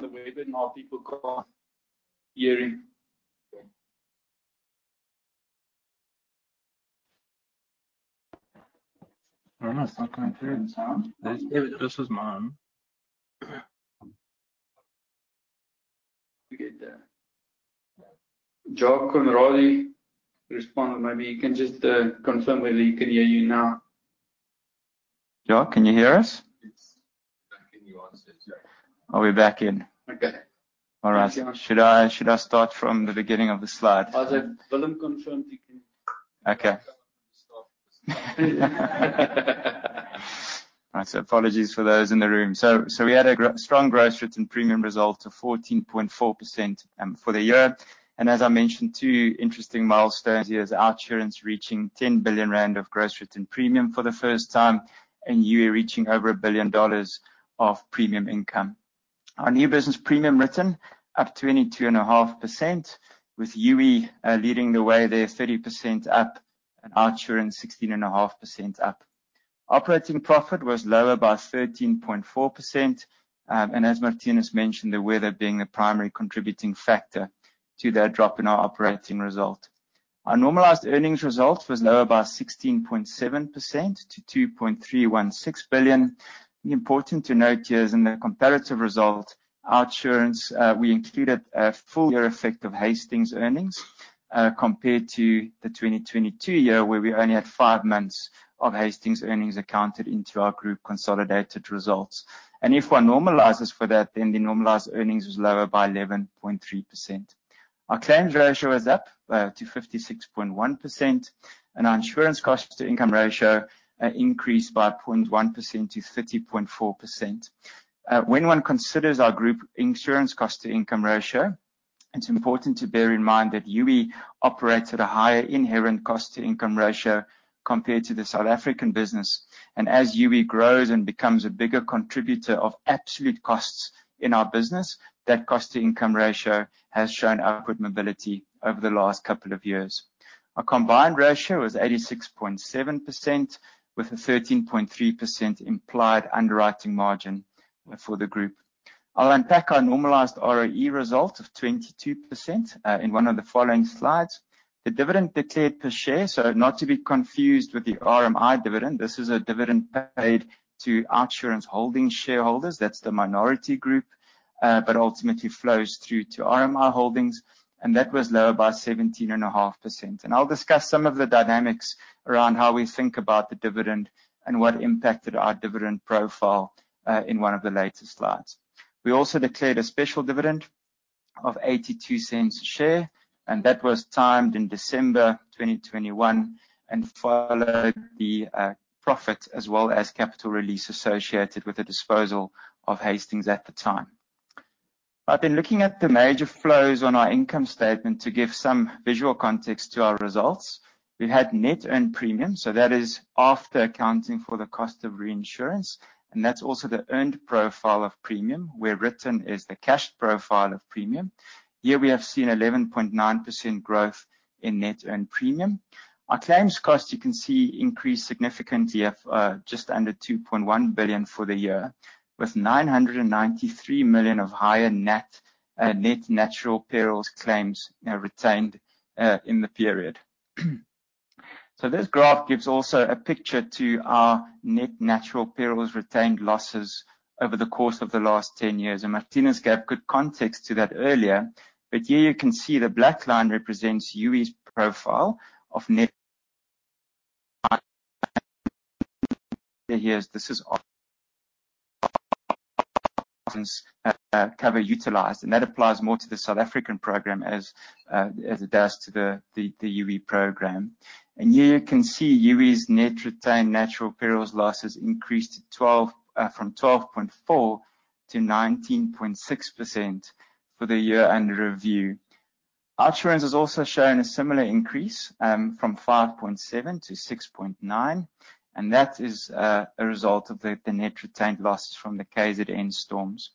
Wait a bit. More people calling. I don't know. It's not coming through the sound. This is mine. We get Jo Conrodi responded. Maybe you can just confirm whether he can hear you now. Jo, can you hear us? Yes. Back to you, Jo. Are we back in? Okay. All right. Should I start from the beginning of the slide? William, confirm if you can. Okay. Start. Right. Apologies for those in the room. We had a strong gross written premium result of 14.4% for the year. As I mentioned, two interesting milestones here is OUTsurance reaching 10 billion rand of gross written premium for the first time, and Youi reaching over 1 billion dollars of premium income. Our new business premium written up 22.5%, with Youi leading the way there, 30% up and OUTsurance 16.5% up. Operating profit was lower by 13.4%. As Marthinus mentioned, the weather being the primary contributing factor to that drop in our operating result. Our normalized earnings result was lower by 16.7% to 2.316 billion. Important to note here is in the comparative result, OUTsurance, we included a full year effect of Hastings earnings, compared to the 2022 year, where we only had five months of Hastings earnings accounted into our group consolidated results. If one normalizes for that, then the normalized earnings was lower by 11.3%. Our claims ratio is up to 56.1%, and our insurance cost to income ratio increased by 0.1% to 30.4%. When one considers our group insurance cost to income ratio, it's important to bear in mind that Youi operates at a higher inherent cost to income ratio compared to the South African business. As Youi grows and becomes a bigger contributor of absolute costs in our business, that cost to income ratio has shown upward mobility over the last couple of years. Our combined ratio was 86.7%, with a 13.3% implied underwriting margin for the group. I'll unpack our normalized ROE result of 22%, in one of the following slides. The dividend declared per share, so not to be confused with the RMI dividend. This is a dividend paid to OUTsurance Holdings shareholders, that's the minority group, but ultimately flows through to RMI Holdings, and that was lower by 17.5%. I'll discuss some of the dynamics around how we think about the dividend and what impacted our dividend profile, in one of the later slides. We also declared a special dividend of 0.82 a share, and that was timed in December 2021, and followed the profit as well as capital release associated with the disposal of Hastings at the time. In looking at the major flows on our income statement to give some visual context to our results, we had net earned premium, so that is after accounting for the cost of reinsurance, and that's also the earned profile of premium where written is the cash profile of premium. Here we have seen 11.9% growth in net earned premium. Our claims cost you can see increased significantly to just under 2.1 billion for the year, with 993 million of higher net natural perils claims retained in the period. This graph gives also a picture to our net natural perils retained losses over the course of the last 10 years. Marthinus gave good context to that earlier. Here you can see the black line represents Youi's profile of net cover utilized, and that applies more to the South African program as it does to the Youi program. Here you can see Youi's net retained natural perils losses increased from 12.4% to 19.6% for the year under review. OUTsurance has also shown a similar increase from 5.7% to 6.9%, and that is a result of the net retained losses from the KZN storms.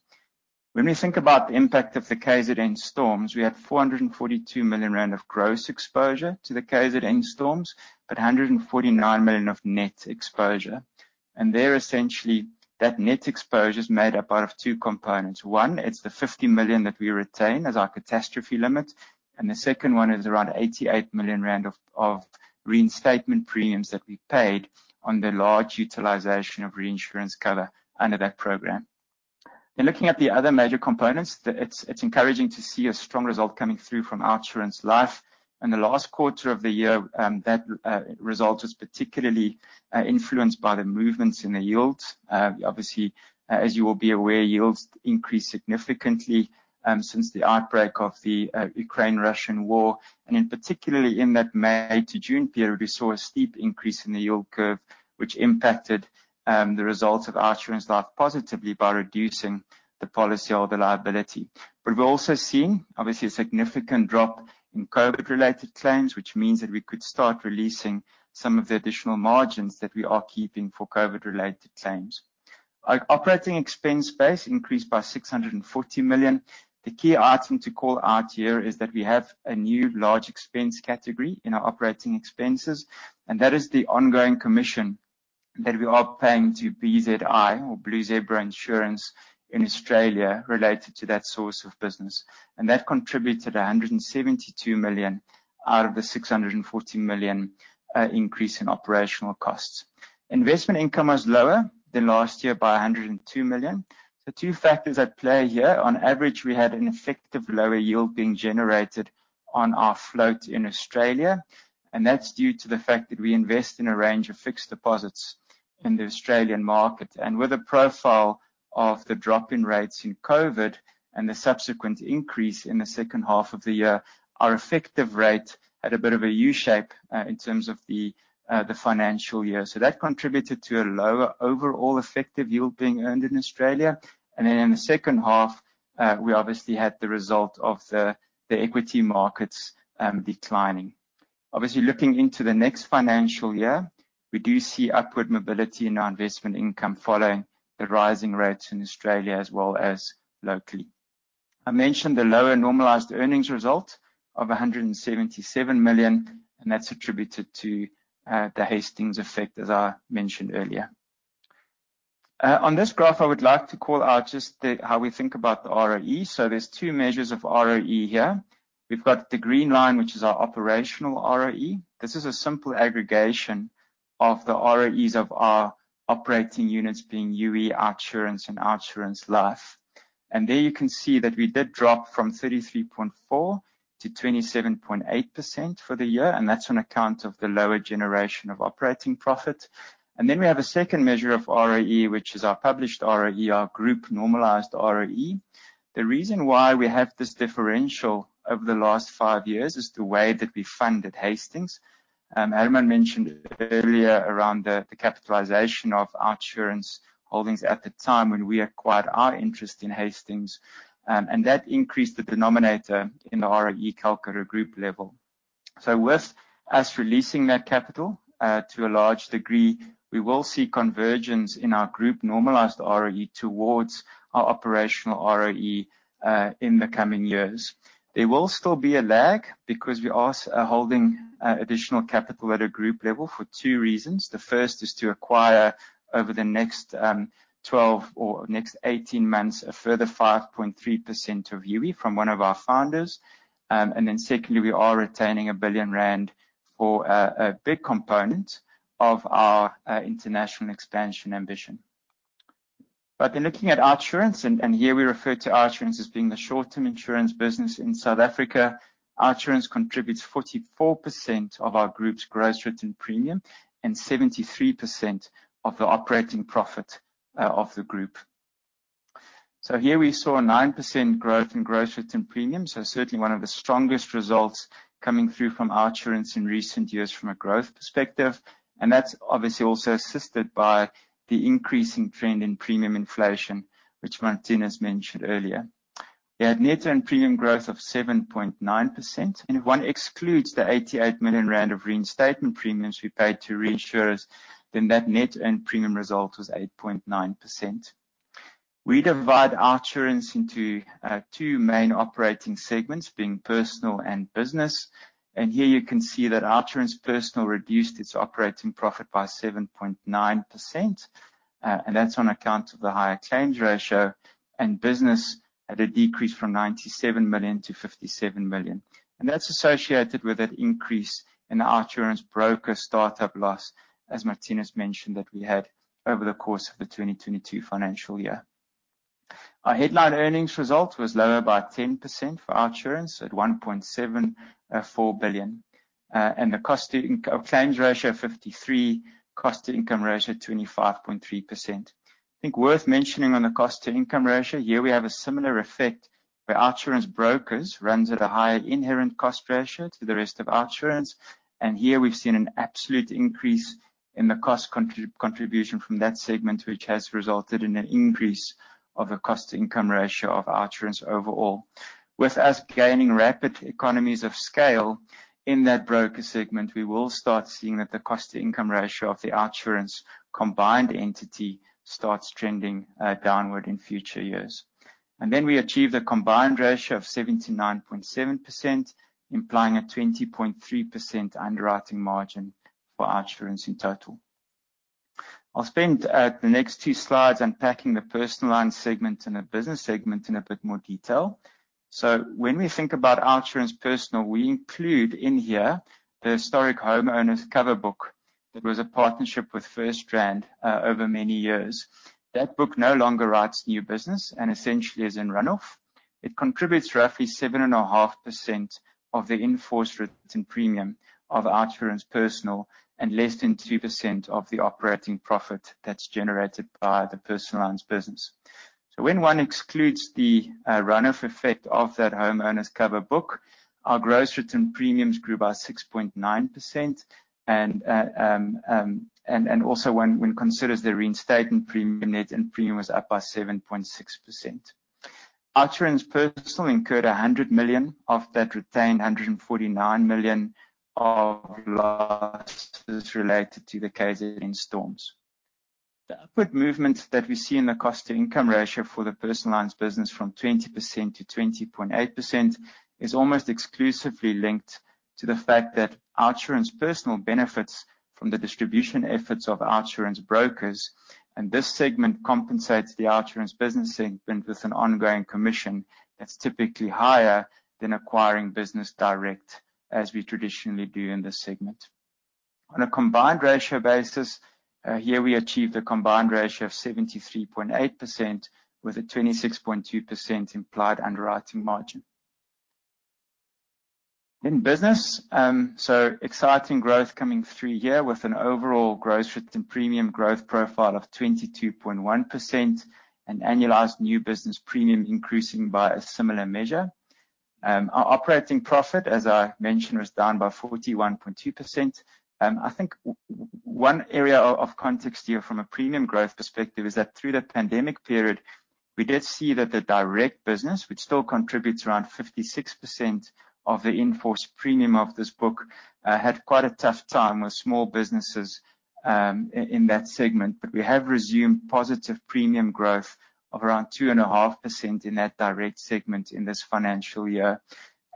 When we think about the impact of the KZN storms, we had 442 million rand of gross exposure to the KZN storms, but 149 million of net exposure. There essentially, that net exposure is made up out of two components. One, it's the 50 million that we retain as our catastrophe limit, and the second one is around 88 million rand of reinstatement premiums that we paid on the large utilization of reinsurance cover under that program. In looking at the other major components, it's encouraging to see a strong result coming through from OUTsurance Life. In the last quarter of the year, that result was particularly influenced by the movements in the yields. Obviously, as you will be aware, yields increased significantly since the outbreak of the Ukraine-Russian war. In particular in that May to June period, we saw a steep increase in the yield curve, which impacted the results of OUTsurance Life positively by reducing the policyholder liability. We're also seeing obviously a significant drop in COVID-related claims, which means that we could start releasing some of the additional margins that we are keeping for COVID-related claims. Our operating expense base increased by 640 million. The key item to call out here is that we have a new large expense category in our operating expenses, and that is the ongoing commission that we are paying to BZI or Blue Zebra Insurance in Australia related to that source of business. That contributed 172 million out of the 640 million increase in operational costs. Investment income was lower than last year by 102 million. Two factors at play here. On average, we had an effective lower yield being generated on our float in Australia, and that's due to the fact that we invest in a range of fixed deposits in the Australian market. With a profile of the drop in rates in COVID and the subsequent increase in the second half of the year, our effective rate had a bit of a U-shape in terms of the financial year. That contributed to a lower overall effective yield being earned in Australia. Then in the second half, we obviously had the result of the equity markets declining. Obviously, looking into the next financial year, we do see upward mobility in our investment income following the rising rates in Australia as well as locally. I mentioned the lower normalized earnings result of 177 million, and that's attributed to the Hastings effect, as I mentioned earlier. On this graph, I would like to call out just how we think about the ROE. So there's two measures of ROE here. We've got the green line, which is our operational ROE. This is a simple aggregation of the ROEs of our operating units, being Youi, OUTsurance Insurance and OUTsurance Life. There you can see that we did drop from 33.4% to 27.8% for the year, and that's on account of the lower generation of operating profit. We have a second measure of ROE, which is our published ROE, our group normalized ROE. The reason why we have this differential over the last five years is the way that we funded Hastings. Herman mentioned earlier around the capitalization of OUTsurance Holdings at the time when we acquired our interest in Hastings, and that increased the denominator in the ROE calc at a group level. With us releasing that capital, to a large degree, we will see convergence in our group normalized ROE towards our operational ROE, in the coming years. There will still be a lag because we are holding, additional capital at a group level for two reasons. The first is to acquire over the next, 12 or next 18 months, a further 5.3% of Youi from one of our founders. Secondly, we are retaining 1 billion rand for a big component of our international expansion ambition. Looking at OUTsurance, and here we refer to OUTsurance as being the short-term insurance business in South Africa. OUTsurance contributes 44% of our group's gross written premium and 73% of the operating profit of the group. Here we saw a 9% growth in gross written premium, so certainly one of the strongest results coming through from OUTsurance in recent years from a growth perspective. That's obviously also assisted by the increasing trend in premium inflation, which Marthinus mentioned earlier. We had net earned premium growth of 7.9%, and if one excludes the 88 million rand of reinstatement premiums we paid to reinsurers, then that net earned premium result was 8.9%. We divide OUTsurance into two main operating segments, being personal and business. Here you can see that OUTsurance personal reduced its operating profit by 7.9%, and that's on account of the higher claims ratio. Business had a decrease from 97 million to 57 million, and that's associated with that increase in OUTsurance Brokers startup loss, as Marthinus mentioned that we had over the course of the 2022 financial year. Our headline earnings result was lower by 10% for OUTsurance at 1.74 billion. The cost to claims ratio 53%, cost to income ratio 25.3%. I think worth mentioning on the cost to income ratio, here we have a similar effect where OUTsurance Brokers runs at a higher inherent cost ratio to the rest of OUTsurance. Here we've seen an absolute increase in the cost contribution from that segment, which has resulted in an increase of the cost to income ratio of OUTsurance overall. With us gaining rapid economies of scale in that broker segment, we will start seeing that the cost to income ratio of the OUTsurance combined entity starts trending downward in future years. Then we achieve the combined ratio of 79.7%, implying a 20.3% underwriting margin for OUTsurance in total. I'll spend the next two slides unpacking the personal line segment and the business segment in a bit more detail. When we think about OUTsurance personal, we include in here the historic homeowners cover book. That was a partnership with FirstRand over many years. That book no longer writes new business and essentially is in run off. It contributes roughly 7.5% of the in-force written premium of OUTsurance personal and less than 2% of the operating profit that's generated by the personal lines business. When one excludes the run off effect of that homeowners cover book, our gross written premiums grew by 6.9%. Also when one considers the reinstatement premium, net earned premium was up by 7.6%. OUTsurance personal incurred 100 million of that retained 149 million of losses related to the KZN storms. The upward movement that we see in the cost to income ratio for the personal lines business from 20% to 20.8% is almost exclusively linked to the fact that OUTsurance personal benefits from the distribution efforts of OUTsurance brokers. This segment compensates the OUTsurance business segment with an ongoing commission that's typically higher than acquiring business direct, as we traditionally do in this segment. On a combined ratio basis, here we achieved a combined ratio of 73.8% with a 26.2% implied underwriting margin. In business, so exciting growth coming through here with an overall gross written premium growth profile of 22.1%, an annualized new business premium increasing by a similar measure. Our operating profit, as I mentioned, was down by 41.2%. I think one area of context here from a premium growth perspective is that through the pandemic period, we did see that the direct business, which still contributes around 56% of the in-force premium of this book, had quite a tough time with small businesses, in that segment. We have resumed positive premium growth of around 2.5% in that direct segment in this financial year.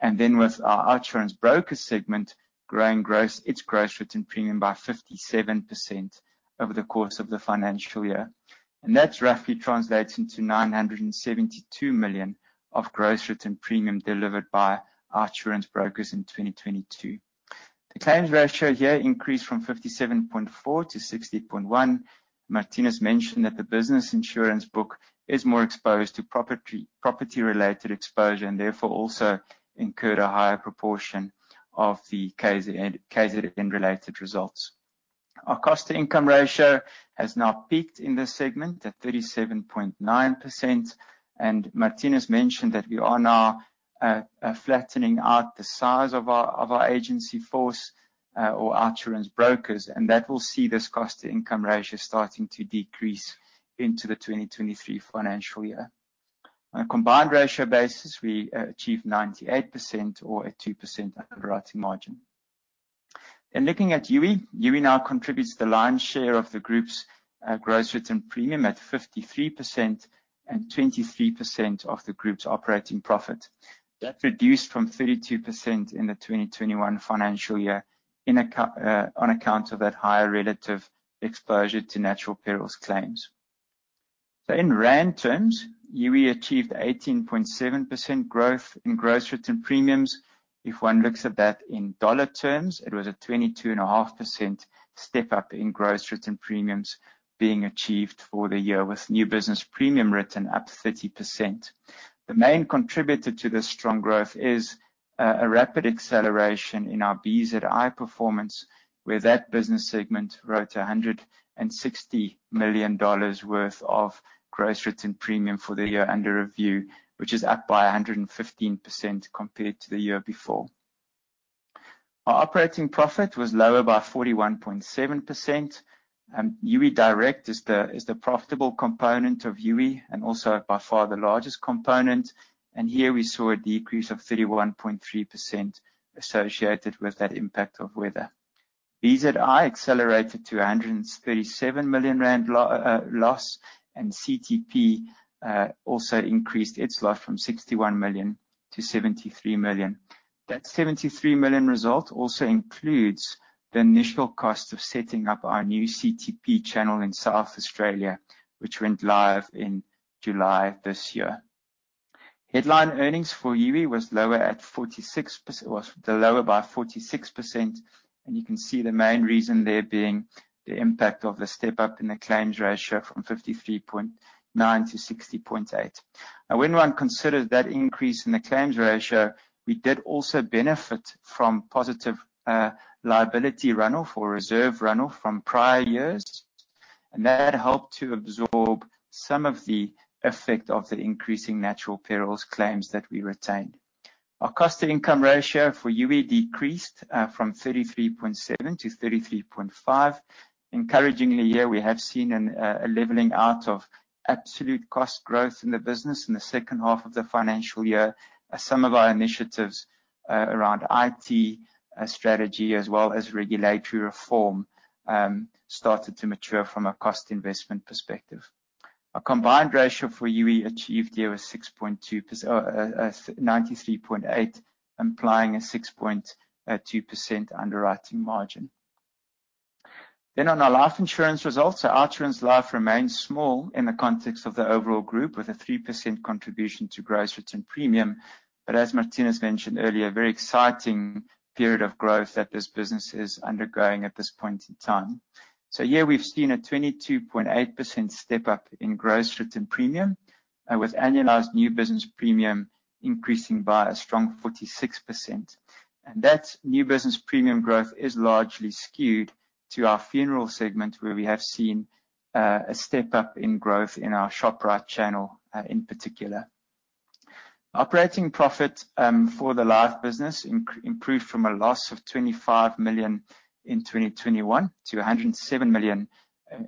Then with our OUTsurance broker segment growing its gross written premium by 57% over the course of the financial year. That roughly translates into 972 million of gross written premium delivered by OUTsurance Brokers in 2022. The claims ratio here increased from 57.4% to 60.1%. Marthinus mentioned that the business insurance book is more exposed to property-related exposure and therefore also incurred a higher proportion of the KZN related results. Our cost to income ratio has now peaked in this segment at 37.9%. Marthinus mentioned that we are now flattening out the size of our agency force or OUTsurance brokers, and that will see this cost to income ratio starting to decrease into the 2023 financial year. On a combined ratio basis, we achieved 98% or a 2% underwriting margin. In looking at Youi now contributes the lion's share of the group's gross written premium at 53% and 23% of the group's operating profit. That reduced from 32% in the 2021 financial year on account of that higher relative exposure to natural perils claims. In rand terms, Youi achieved 18.7% growth in gross written premiums. If one looks at that in dollar terms, it was a 22.5% step-up in gross written premiums being achieved for the year, with new business premium written up 30%. The main contributor to this strong growth is a rapid acceleration in our BZI performance, where that business segment wrote 160 million dollars worth of gross written premium for the year under review, which is up by 115% compared to the year before. Our operating profit was lower by 41.7%. Youi Direct is the profitable component of Youi and also by far the largest component. Here we saw a decrease of 31.3% associated with that impact of weather. BZI accelerated to 137 million rand loss, and CTP also increased its loss from 61 million to 73 million. That 73 million result also includes the initial cost of setting up our new CTP channel in South Australia, which went live in July this year. Headline earnings for Youi was lower by 46%. You can see the main reason there being the impact of the step-up in the claims ratio from 53.9% to 60.8%. Now, when one considers that increase in the claims ratio, we did also benefit from positive, liability run-off or reserve run-off from prior years, and that helped to absorb some of the effect of the increasing natural perils claims that we retained. Our cost-to-income ratio for Youi decreased from 33.7% to 33.5%. Encouraging in the year, we have seen a leveling out of absolute cost growth in the business in the second half of the financial year as some of our initiatives around IT strategy, as well as regulatory reform, started to mature from a cost investment perspective. Our combined ratio for Youi was 93.8%, implying a 6.2% underwriting margin. On our life insurance results. OUTsurance Life remains small in the context of the overall group, with a 3% contribution to gross written premium. As Marthinus mentioned earlier, a very exciting period of growth that this business is undergoing at this point in time. Here we've seen a 22.8% step-up in gross written premium, with annualized new business premium increasing by a strong 46%. That new business premium growth is largely skewed to our funeral segment, where we have seen a step-up in growth in our Shoprite channel in particular. Operating profit for the life business improved from a loss of 25 million in 2021 to 107 million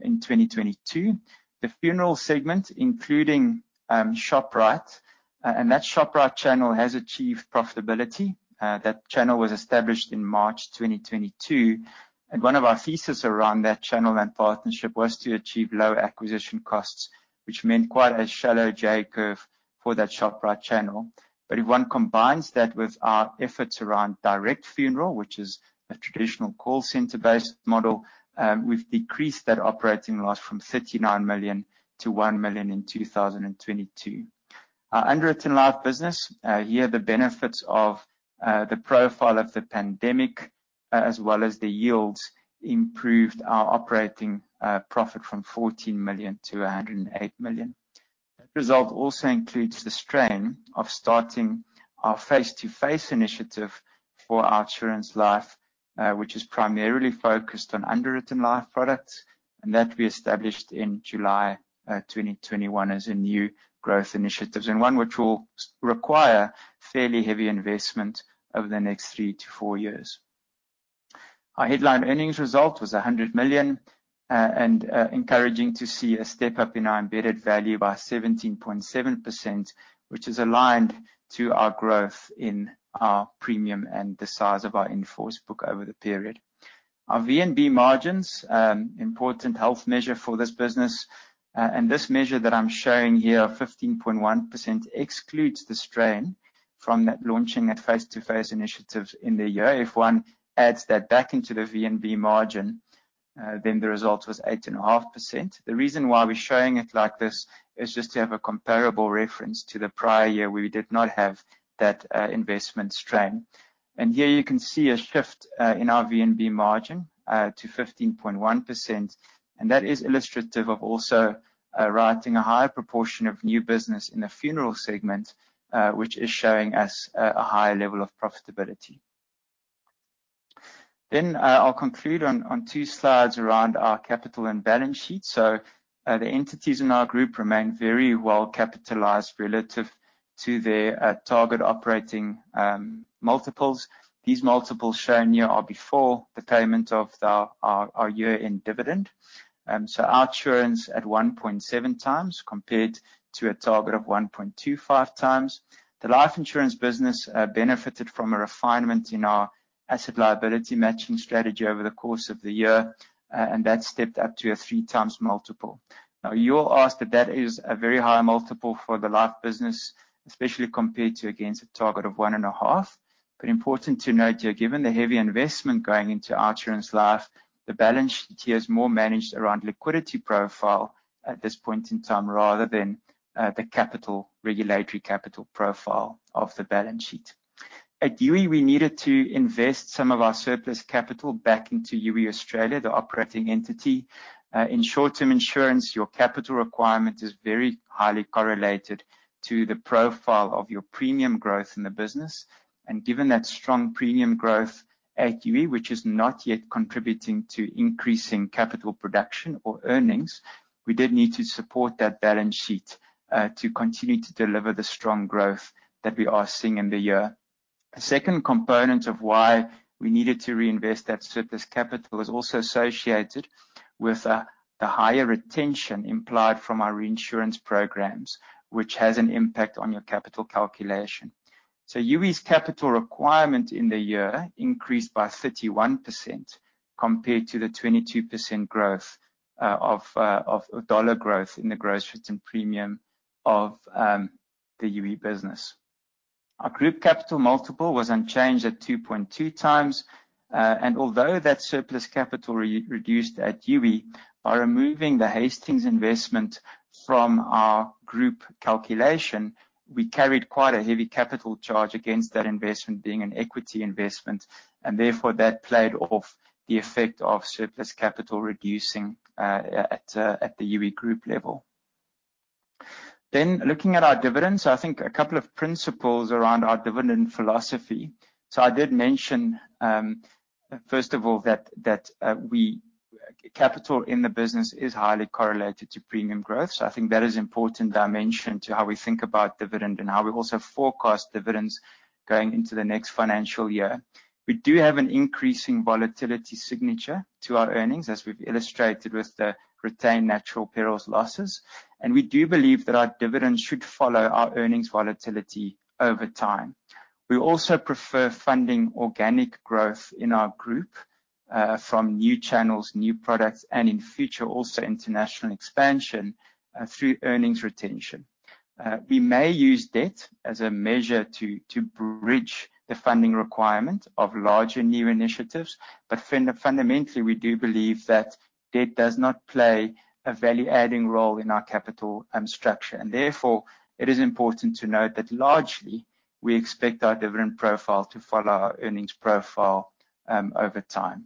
in 2022. The funeral segment, including Shoprite and that Shoprite channel, has achieved profitability. That channel was established in March 2022, and one of our thesis around that channel and partnership was to achieve low acquisition costs, which meant quite a shallow J-curve for that Shoprite channel. If one combines that with our efforts around direct funeral, which is a traditional call center-based model, we've decreased that operating loss from 39 million to 1 million in 2022. Our underwritten life business, here the benefits of the profile of the pandemic, as well as the yields improved our operating profit from 14 million to 108 million. That result also includes the strain of starting our face-to-face initiative for OUTsurance Life, which is primarily focused on underwritten life products, and that we established in July 2021 as a new growth initiative and one which will require fairly heavy investment over the next three-four years. Our headline earnings result was 100 million, and encouraging to see a step-up in our embedded value by 17.7%, which is aligned to our growth in our premium and the size of our in-force book over the period. Our VNB margins, important health measure for this business. This measure that I'm showing here, 15.1%, excludes the strain from that launching that face-to-face initiative in the year. If one adds that back into the VNB margin, then the result was 8.5%. The reason why we're showing it like this is just to have a comparable reference to the prior year where we did not have that, investment strain. Here you can see a shift in our VNB margin to 15.1%, and that is illustrative of also writing a higher proportion of new business in the funeral segment, which is showing us a higher level of profitability. I'll conclude on two slides around our capital and balance sheet. The entities in our group remain very well capitalized relative to their target operating multiples. These multiples shown here are before the payment of our year-end dividend. OUTsurance at 1.7x compared to a target of 1.25x. The life insurance business benefited from a refinement in our asset liability matching strategy over the course of the year, and that stepped up to a 3x multiple. Now, you'll ask that is a very high multiple for the life business, especially compared against a target of 1.5x. Important to note here, given the heavy investment going into OUTsurance Life, the balance sheet here is more managed around liquidity profile at this point in time, rather than the capital, regulatory capital profile of the balance sheet. At Youi, we needed to invest some of our surplus capital back into Youi Australia, the operating entity. In short-term insurance, your capital requirement is very highly correlated to the profile of your premium growth in the business, and given that strong premium growth at Youi, which is not yet contributing to increasing capital production or earnings, we did need to support that balance sheet to continue to deliver the strong growth that we are seeing in the year. The second component of why we needed to reinvest that surplus capital is also associated with the higher retention implied from our reinsurance programs, which has an impact on your capital calculation. Youi's capital requirement in the year increased by 31% compared to the 22% growth of dollar growth in the gross written premium of the Youi business. Our group capital multiple was unchanged at 2.2x. Although that surplus capital re-reduced at Youi, by removing the Hastings investment from our group calculation, we carried quite a heavy capital charge against that investment being an equity investment, and therefore that played off the effect of surplus capital reducing at the Youi Group level. Looking at our dividends, I think a couple of principles around our dividend philosophy. I did mention, first of all, Capital in the business is highly correlated to premium growth. I think that is important dimension to how we think about dividend and how we also forecast dividends going into the next financial year. We do have an increasing volatility signature to our earnings, as we've illustrated with the retained natural perils losses, and we do believe that our dividends should follow our earnings volatility over time. We also prefer funding organic growth in our group from new channels, new products, and in future, also international expansion through earnings retention. We may use debt as a measure to bridge the funding requirement of larger new initiatives, but fundamentally, we do believe that debt does not play a value-adding role in our capital structure. Therefore, it is important to note that largely, we expect our dividend profile to follow our earnings profile over time.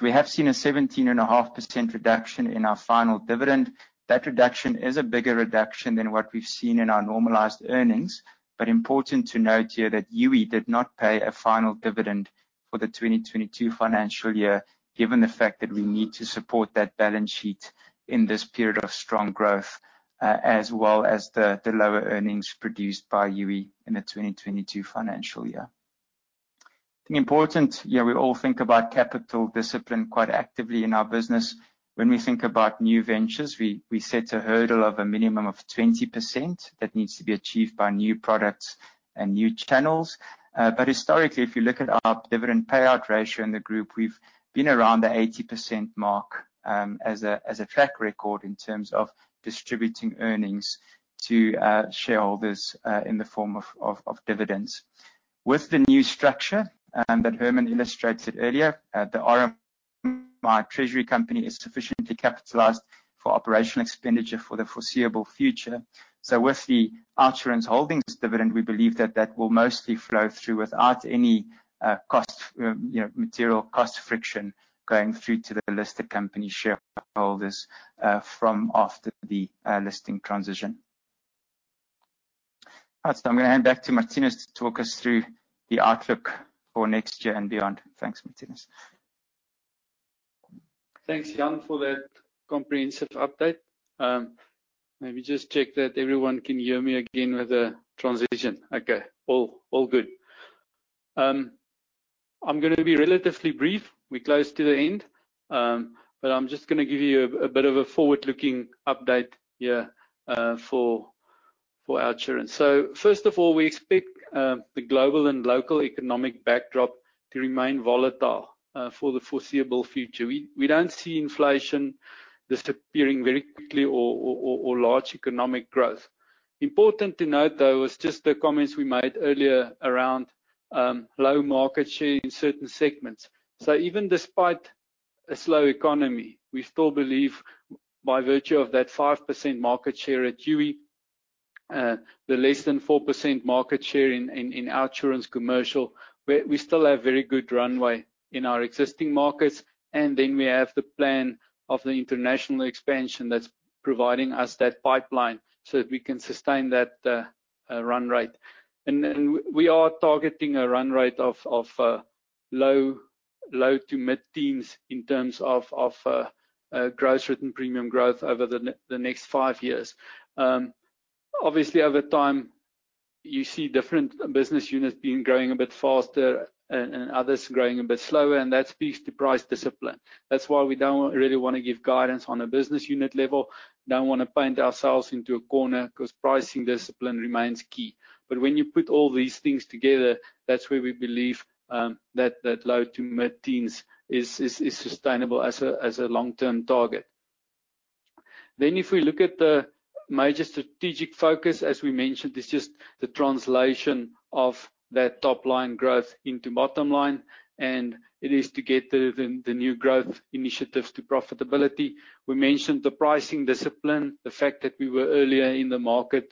We have seen a 17.5% reduction in our final dividend. That reduction is a bigger reduction than what we've seen in our normalized earnings. Important to note here that Youi did not pay a final dividend for the 2022 financial year, given the fact that we need to support that balance sheet in this period of strong growth, as well as the lower earnings produced by Youi in the 2022 financial year. I think important, you know, we all think about capital discipline quite actively in our business. When we think about new ventures, we set a hurdle of a minimum of 20% that needs to be achieved by new products and new channels. Historically, if you look at our dividend payout ratio in the group, we've been around the 80% mark, as a track record in terms of distributing earnings to shareholders, in the form of dividends. With the new structure that Herman illustrated earlier, the RMI TreasuryCompany is sufficiently capitalized for operational expenditure for the foreseeable future. With the OUTsurance Holdings dividend, we believe that will mostly flow through without any cost, you know, material cost friction going through to the listed company shareholders from after the listing transition. That's it. I'm gonna hand back to Marthinus to talk us through the outlook for next year and beyond. Thanks, Marthinus. Thanks, Jan, for that comprehensive update. Let me just check that everyone can hear me again with the transition. Okay. All good. I'm gonna be relatively brief. We're close to the end, but I'm just gonna give you a bit of a forward-looking update here, for OUTsurance. First of all, we expect the global and local economic backdrop to remain volatile for the foreseeable future. We don't see inflation disappearing very quickly or large economic growth. Important to note, though, is just the comments we made earlier around low market share in certain segments. Even despite a slow economy, we still believe by virtue of that 5% market share at Youi, the less than 4% market share in OUTsurance Commercial, we still have very good runway in our existing markets, and then we have the plan of the international expansion that's providing us that pipeline so that we can sustain that run rate. We are targeting a run rate of low- to mid-teens% in terms of gross written premium growth over the next five years. Obviously over time, you see different business units being growing a bit faster and others growing a bit slower, and that speaks to price discipline. That's why we don't really wanna give guidance on a business unit level. Don't wanna paint ourselves into a corner 'cause pricing discipline remains key. When you put all these things together, that's where we believe that low to mid-teens is sustainable as a long-term target. If we look at the major strategic focus, as we mentioned, it's just the translation of that top line growth into bottom line, and it is to get the new growth initiatives to profitability. We mentioned the pricing discipline, the fact that we were earlier in the market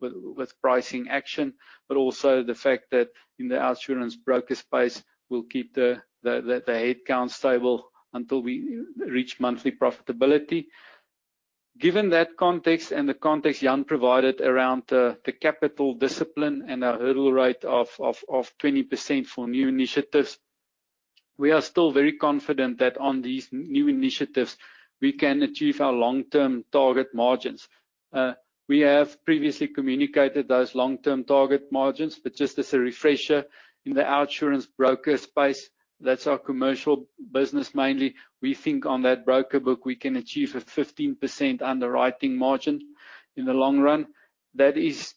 with pricing action, but also the fact that in the OUTsurance Brokers space, we'll keep the headcount stable until we reach monthly profitability. Given that context and the context Jan provided around the capital discipline and our hurdle rate of 20% for new initiatives, we are still very confident that on these new initiatives, we can achieve our long-term target margins. We have previously communicated those long-term target margins, but just as a refresher, in the OUTsurance broker space, that's our commercial business mainly. We think on that broker book, we can achieve a 15% underwriting margin in the long run. That is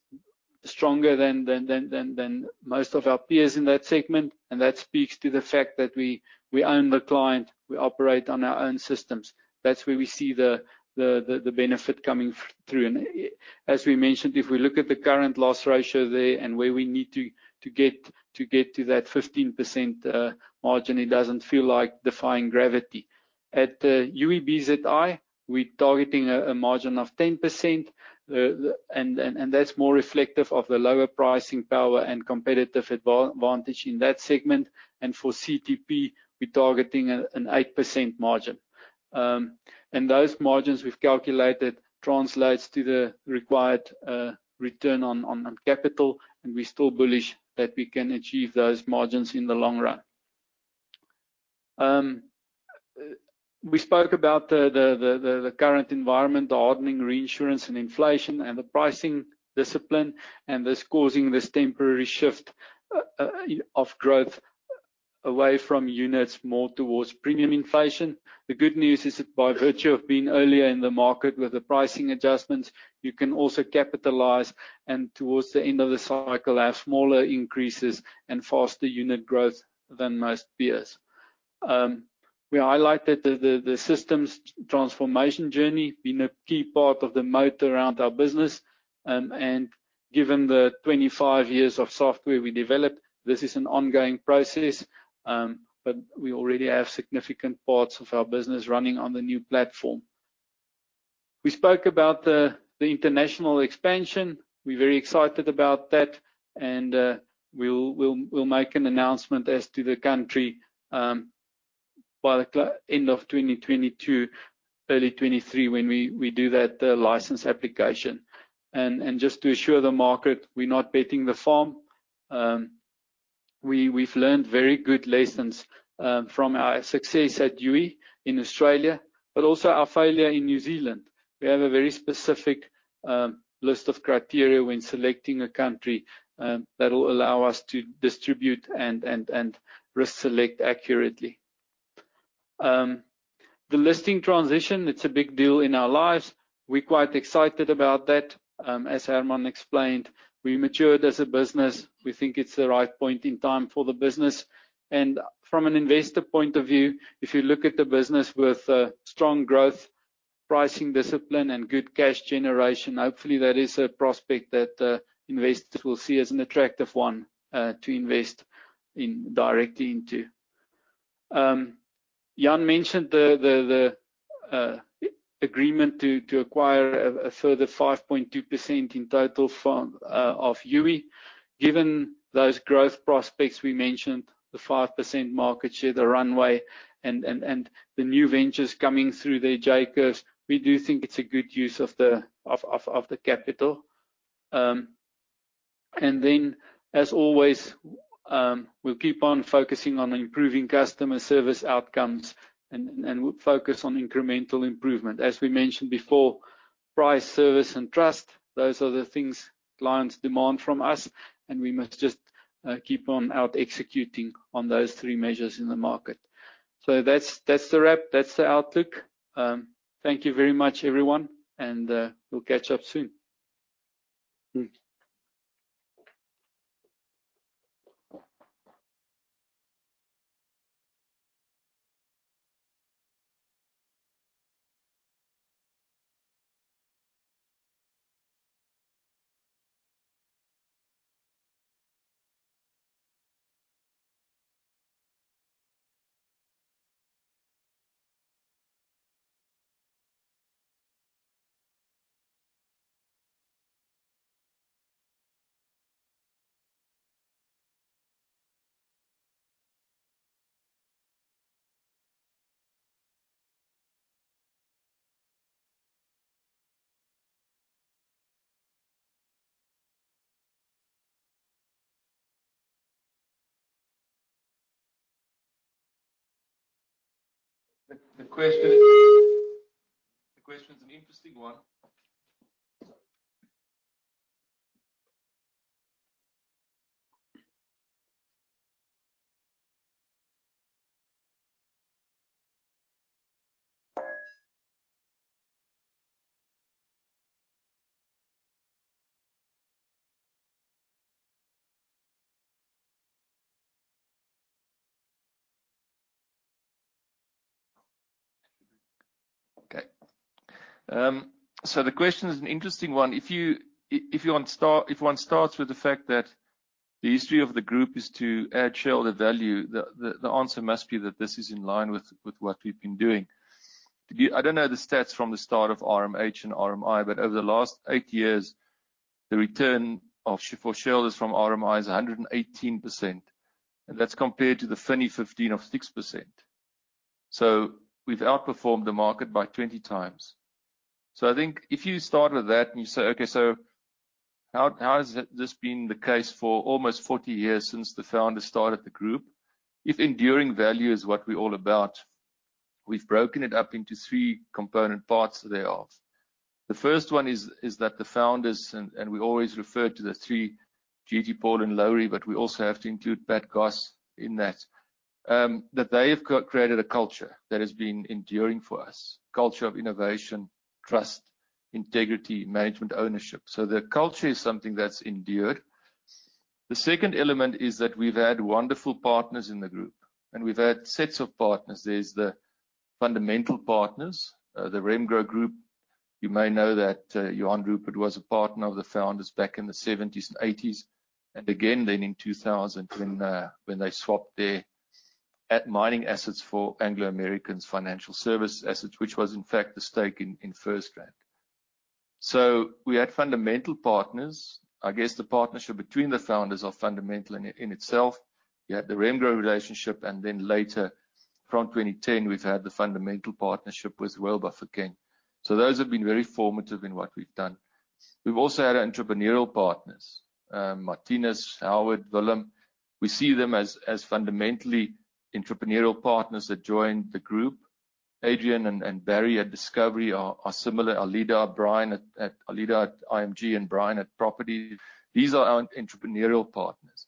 stronger than most of our peers in that segment, and that speaks to the fact that we own the client, we operate on our own systems. That's where we see the benefit coming through. As we mentioned, if we look at the current loss ratio there and where we need to get to that 15% margin, it doesn't feel like defying gravity. At Youi, we're targeting a margin of 10%. That's more reflective of the lower pricing power and competitive advantage in that segment. For CTP, we're targeting an 8% margin. Those margins we've calculated translates to the required return on capital, and we're still bullish that we can achieve those margins in the long run. We spoke about the current environment, the hardening reinsurance and inflation and the pricing discipline, and that's causing this temporary shift of growth away from units more towards premium inflation. The good news is that by virtue of being earlier in the market with the pricing adjustments, you can also capitalize, and towards the end of the cycle, have smaller increases and faster unit growth than most peers. We highlighted the systems transformation journey being a key part of the moat around our business. Given the 25 years of software we developed, this is an ongoing process. But we already have significant parts of our business running on the new platform. We spoke about the international expansion. We're very excited about that, and we'll make an announcement as to the country, by the end of 2022, early 2023, when we do that license application. Just to assure the market, we're not betting the farm. We've learned very good lessons from our success at Youi in Australia, but also our failure in New Zealand. We have a very specific list of criteria when selecting a country that will allow us to distribute and risk select accurately. The listing transition, it's a big deal in our lives. We're quite excited about that. As Herman explained, we matured as a business. We think it's the right point in time for the business. From an investor point of view, if you look at the business with strong growth, pricing discipline, and good cash generation, hopefully that is a prospect that investors will see as an attractive one to invest in directly into. Jan mentioned the agreement to acquire a further 5.2% in total from of Youi. Given those growth prospects we mentioned, the 5% market share, the runway and the new ventures coming through their J-curves, we do think it's a good use of the capital. Then as always, we'll keep on focusing on improving customer service outcomes and we'll focus on incremental improvement. As we mentioned before, price, service and trust, those are the things clients demand from us, and we must just keep on out-executing on those three measures in the market. That's the wrap. That's the outlook. Thank you very much, everyone. We'll catch up soon. The question is an interesting one. Okay. The question is an interesting one. If one starts with the fact that the history of the group is to add shareholder value, the answer must be that this is in line with what we've been doing. I don't know the stats from the start of RMH and RMI, but over the last eight years, the return for shareholders from RMI is 118%, and that's compared to the 2015 of 6%. We've outperformed the market by 20x. I think if you start with that and you say, how has this been the case for almost 40 years since the founders started the group? If enduring value is what we're all about, we've broken it up into three component parts thereof. The first one is that the founders and we always refer to the three, GT, Paul and Laurie, but we also have to include Pat Goss in that they have created a culture that has been enduring for us. Culture of innovation, trust, integrity, management, ownership. The culture is something that's endured. The second element is that we've had wonderful partners in the group, and we've had sets of partners. There's the fundamental partners, the Remgro Group. You may know that Johann Rupert was a partner of the founders back in the 1970's and 1980's, and again then in 2000 when they swapped their mining assets for Anglo American's financial services assets, which was in fact the stake in FirstRand. We had fundamental partners. I guess the partnership between the founders are fundamental in itself. You had the Remgro relationship, and then later, from 2010, we've had the fundamental partnership with Warren Buffett. Those have been very formative in what we've done. We've also had entrepreneurial partners, Marthinus, Howard, Willem. We see them as fundamentally entrepreneurial partners that joined the group. Adrian and Barry at Discovery are similar. Alida, Brian at Alida at IMG, and Brian at Property. These are our entrepreneurial partners.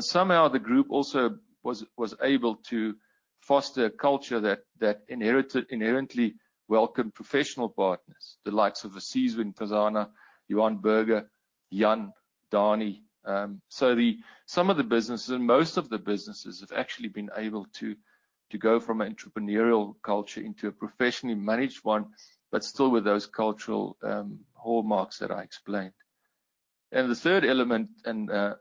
Somehow the group also was able to foster a culture that inherently welcomed professional partners, the likes of Aseseving Fazana, Johan Burger, Jan, Dani. Some of the businesses and most of the businesses have actually been able to go from an entrepreneurial culture into a professionally managed one, but still with those cultural hallmarks that I explained. The third element,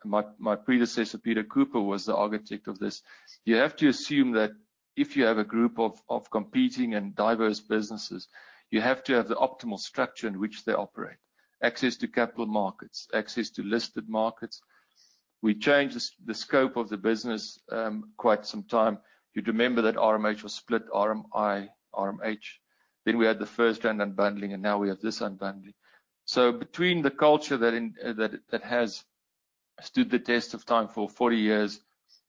my predecessor, Peter Cooper, was the architect of this. You have to assume that if you have a group of competing and diverse businesses, you have to have the optimal structure in which they operate. Access to capital markets, access to listed markets. We changed the scope of the business quite some time. You'd remember that RMH was split RMI, RMH. Then we had the FirstRand unbundling, and now we have this unbundling. Between the culture that has stood the test of time for forty years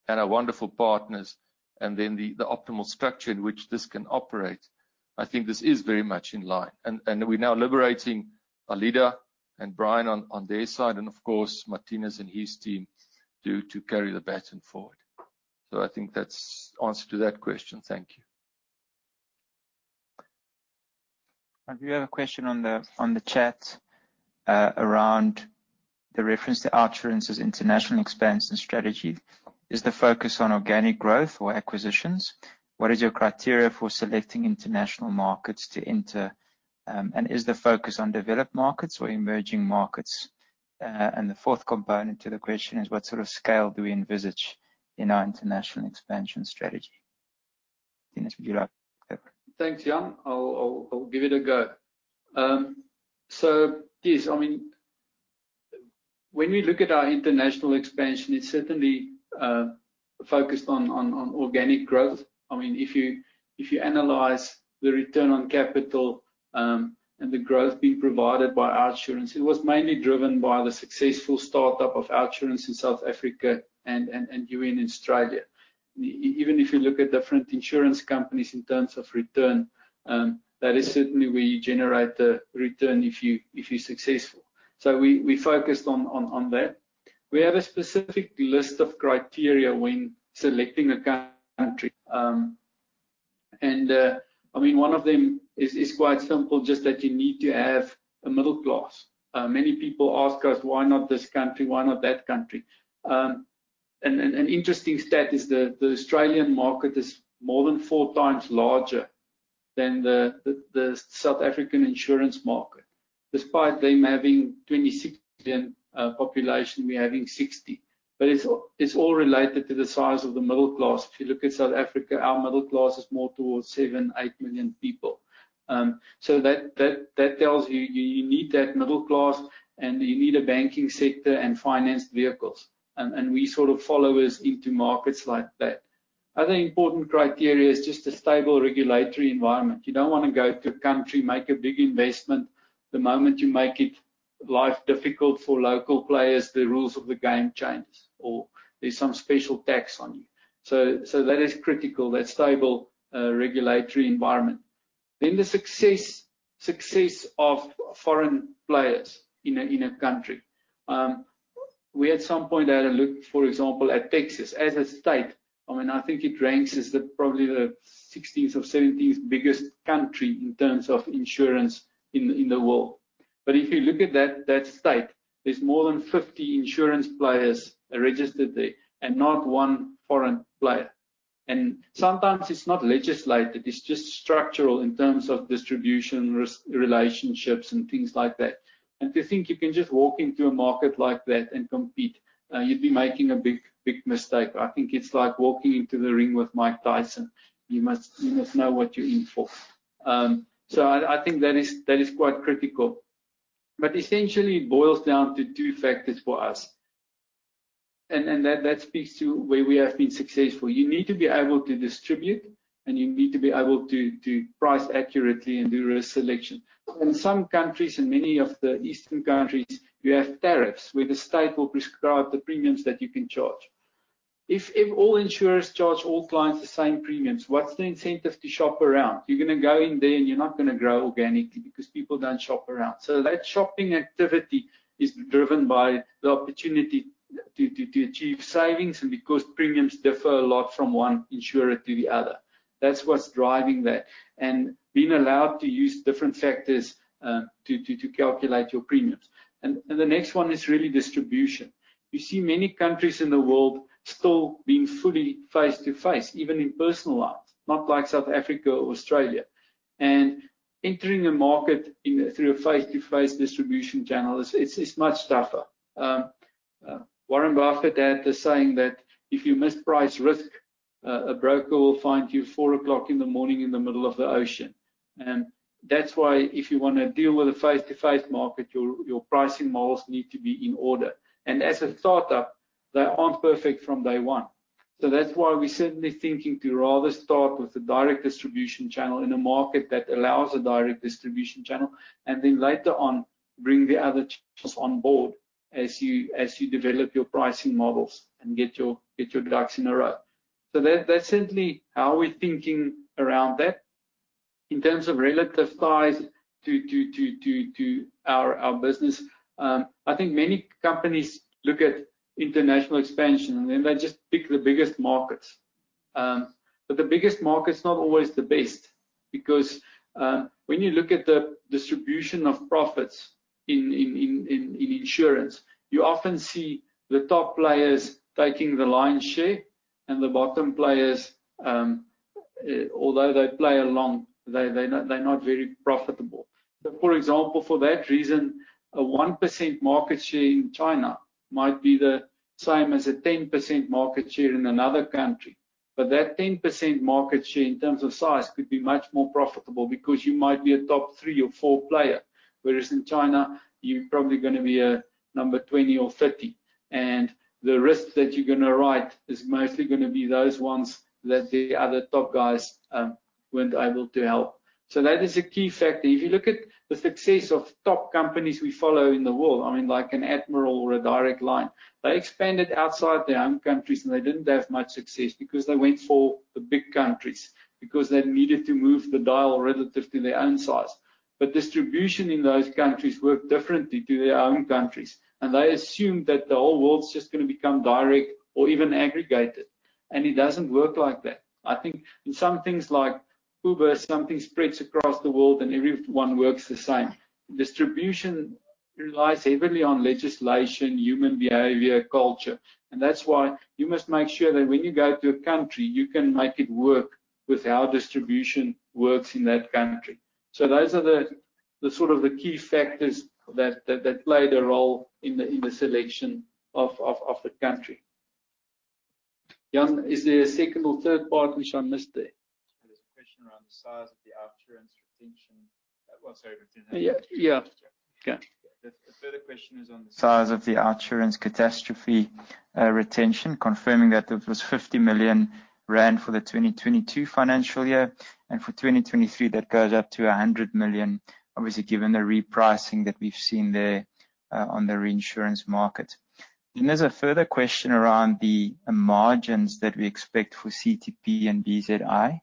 and our wonderful partners, and then the optimal structure in which this can operate, I think this is very much in line. We're now liberating Alida and Brian on their side and, of course, Marthinus and his team to carry the baton forward. I think that's answer to that question. Thank you. We have a question on the chat around the reference to OUTsurance's international expansion strategy. Is the focus on organic growth or acquisitions? What is your criteria for selecting international markets to enter? Is the focus on developed markets or emerging markets? The fourth component to the question is, what sort of scale do we envisage in our international expansion strategy? Marthinus, would you like to take that? Thanks, Jan. I'll give it a go. Yes, I mean, when we look at our international expansion, it's certainly focused on organic growth. I mean, if you analyze the return on capital, and the growth being provided by OUTsurance, it was mainly driven by the successful startup of OUTsurance in South Africa and Youi Australia. Even if you look at different insurance companies in terms of return, that is certainly where you generate the return if you're successful. We focused on that. We have a specific list of criteria when selecting a country. I mean, one of them is quite simple, just that you need to have a middle class. Many people ask us, "Why not this country? Why not that country?" An interesting stat is the Australian market is more than four times larger than the South African insurance market, despite them having 26 million population, we're having 60. But it's all related to the size of the middle class. If you look at South Africa, our middle class is more towards 7 million-8 million people. That tells you you need that middle class, and you need a banking sector and finance vehicles. We sort of follow us into markets like that. Other important criteria is just a stable regulatory environment. You don't wanna go to a country, make a big investment. The moment you make life difficult for local players, the rules of the game changes, or there's some special tax on you. That is critical, that stable regulatory environment. The success of foreign players in a country. We at some point had a look, for example, at Texas as a state. I mean, I think it ranks as the probably the Sixteenth or seventeenth biggest country in terms of insurance in the world. If you look at that state, there's more than 50 insurance players registered there and not one foreign player. Sometimes it's not legislated, it's just structural in terms of distribution relationships and things like that. To think you can just walk into a market like that and compete, you'd be making a big mistake. I think it's like walking into the ring with Mike Tyson. You must know what you're in for. I think that is quite critical. Essentially it boils down to two factors for us, and that speaks to where we have been successful. You need to be able to distribute, and you need to be able to price accurately and do risk selection. In some countries, in many of the eastern countries, you have tariffs where the state will prescribe the premiums that you can charge. If all insurers charge all clients the same premiums, what's the incentive to shop around? You're gonna go in there, and you're not gonna grow organically because people don't shop around. That shopping activity is driven by the opportunity to achieve savings and because premiums differ a lot from one insurer to the other. That's what's driving that. Being allowed to use different factors to calculate your premiums. The next one is really distribution. You see many countries in the world still being fully face-to-face, even in personal lines, not like South Africa or Australia. Entering a market through a face-to-face distribution channel is much tougher. Warren Buffett had the saying that if you misprice risk, a broker will find you 4:00 A.M. in the morning in the middle of the ocean. That's why if you wanna deal with a face-to-face market, your pricing models need to be in order. As a startup, they aren't perfect from day one. That's why we're certainly thinking to rather start with a direct distribution channel in a market that allows a direct distribution channel and then later on bring the other channels on board as you develop your pricing models and get your ducks in a row. That's certainly how we're thinking around that. In terms of relative size to our business, I think many companies look at international expansion, and then they just pick the biggest markets. The biggest market's not always the best because when you look at the distribution of profits in insurance, you often see the top players taking the lion's share and the bottom players, although they play along, they're not very profitable. For example, for that reason, a 1% market share in China might be the same as a 10% market share in another country. That 10% market share in terms of size could be much more profitable because you might be a top three or four player, whereas in China, you're probably gonna be a number 20 or 30. The risk that you're gonna write is mostly gonna be those ones that the other top guys weren't able to help. That is a key factor. If you look at the success of top companies we follow in the world, I mean, like an Admiral or a Direct Line, they expanded outside their own countries, and they didn't have much success because they went for the big countries because they needed to move the dial relative to their own size. Distribution in those countries worked differently to their own countries, and they assumed that the whole world's just gonna become direct or even aggregated, and it doesn't work like that. I think in some things like Uber, something spreads across the world, and everyone works the same. Distribution relies heavily on legislation, human behavior, culture, and that's why you must make sure that when you go to a country, you can make it work with how distribution works in that country. Those are the sort of key factors that played a role in the selection of the country. Jan, is there a second or third part which I missed there? There's a question around the size of the out year and retention. Well, sorry, retention. Yeah. Yeah. Okay. The further question is on the size of the out-year and catastrophe retention, confirming that it was 50 million rand for the 2022 financial year. For 2023, that goes up to 100 million, obviously given the repricing that we've seen there on the reinsurance market. There's a further question around the margins that we expect for CTP and BZI.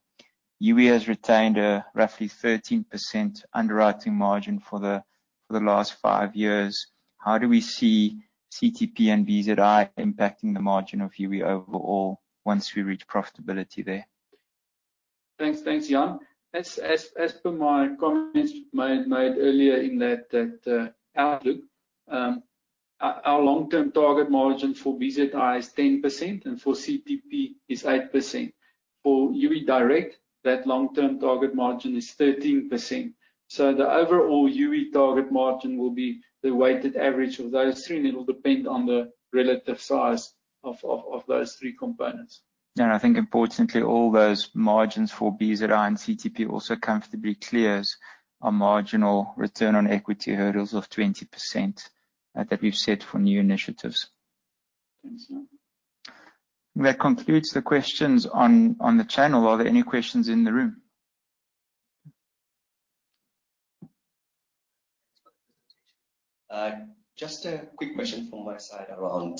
Youi has retained a roughly 13% underwriting margin for the last five years. How do we see CTP and BZI impacting the margin of Youi overall once we reach profitability there? Thanks. Thanks, Jan. As per my comments made earlier in that outlook, our long-term target margin for BZI is 10% and for CTP is 8%. For Youi direct, that long-term target margin is 13%. The overall Youi target margin will be the weighted average of those three, and it'll depend on the relative size of those three components. I think importantly, all those margins for BZI and CTP also comfortably clears our marginal return on equity hurdles of 20%, that we've set for new initiatives. Thanks, Jan. That concludes the questions on the channel. Are there any questions in the room? Thanks for the presentation. Just a quick question from my side around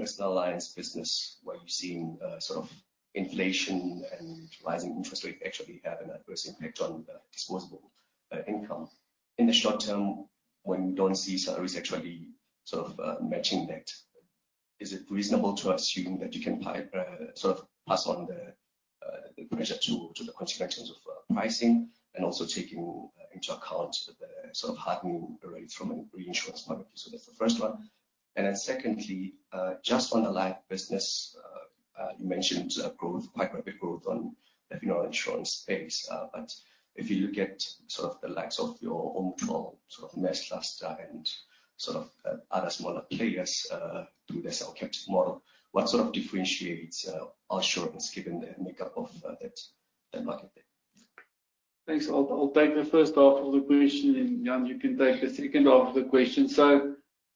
personal lines business, where you're seeing sort of inflation and rising interest rates actually have an adverse impact on the disposable income. In the short term, when you don't see salaries actually sort of matching that. Is it reasonable to assume that you can price sort of pass on the pressure to the consumers in terms of pricing and also taking into account the sort of hardening rates from a reinsurance point of view? So that's the first one. Secondly, just on the life business, you mentioned growth, quite rapid growth on the funeral insurance space. If you look at sort of the likes of your homeowners cover, sort of Massmart and sort of other smaller players, through their self-captive model, what sort of differentiates our insurance given the makeup of that the market there? Thanks. I'll take the first half of the question, and Jan, you can take the second half of the question.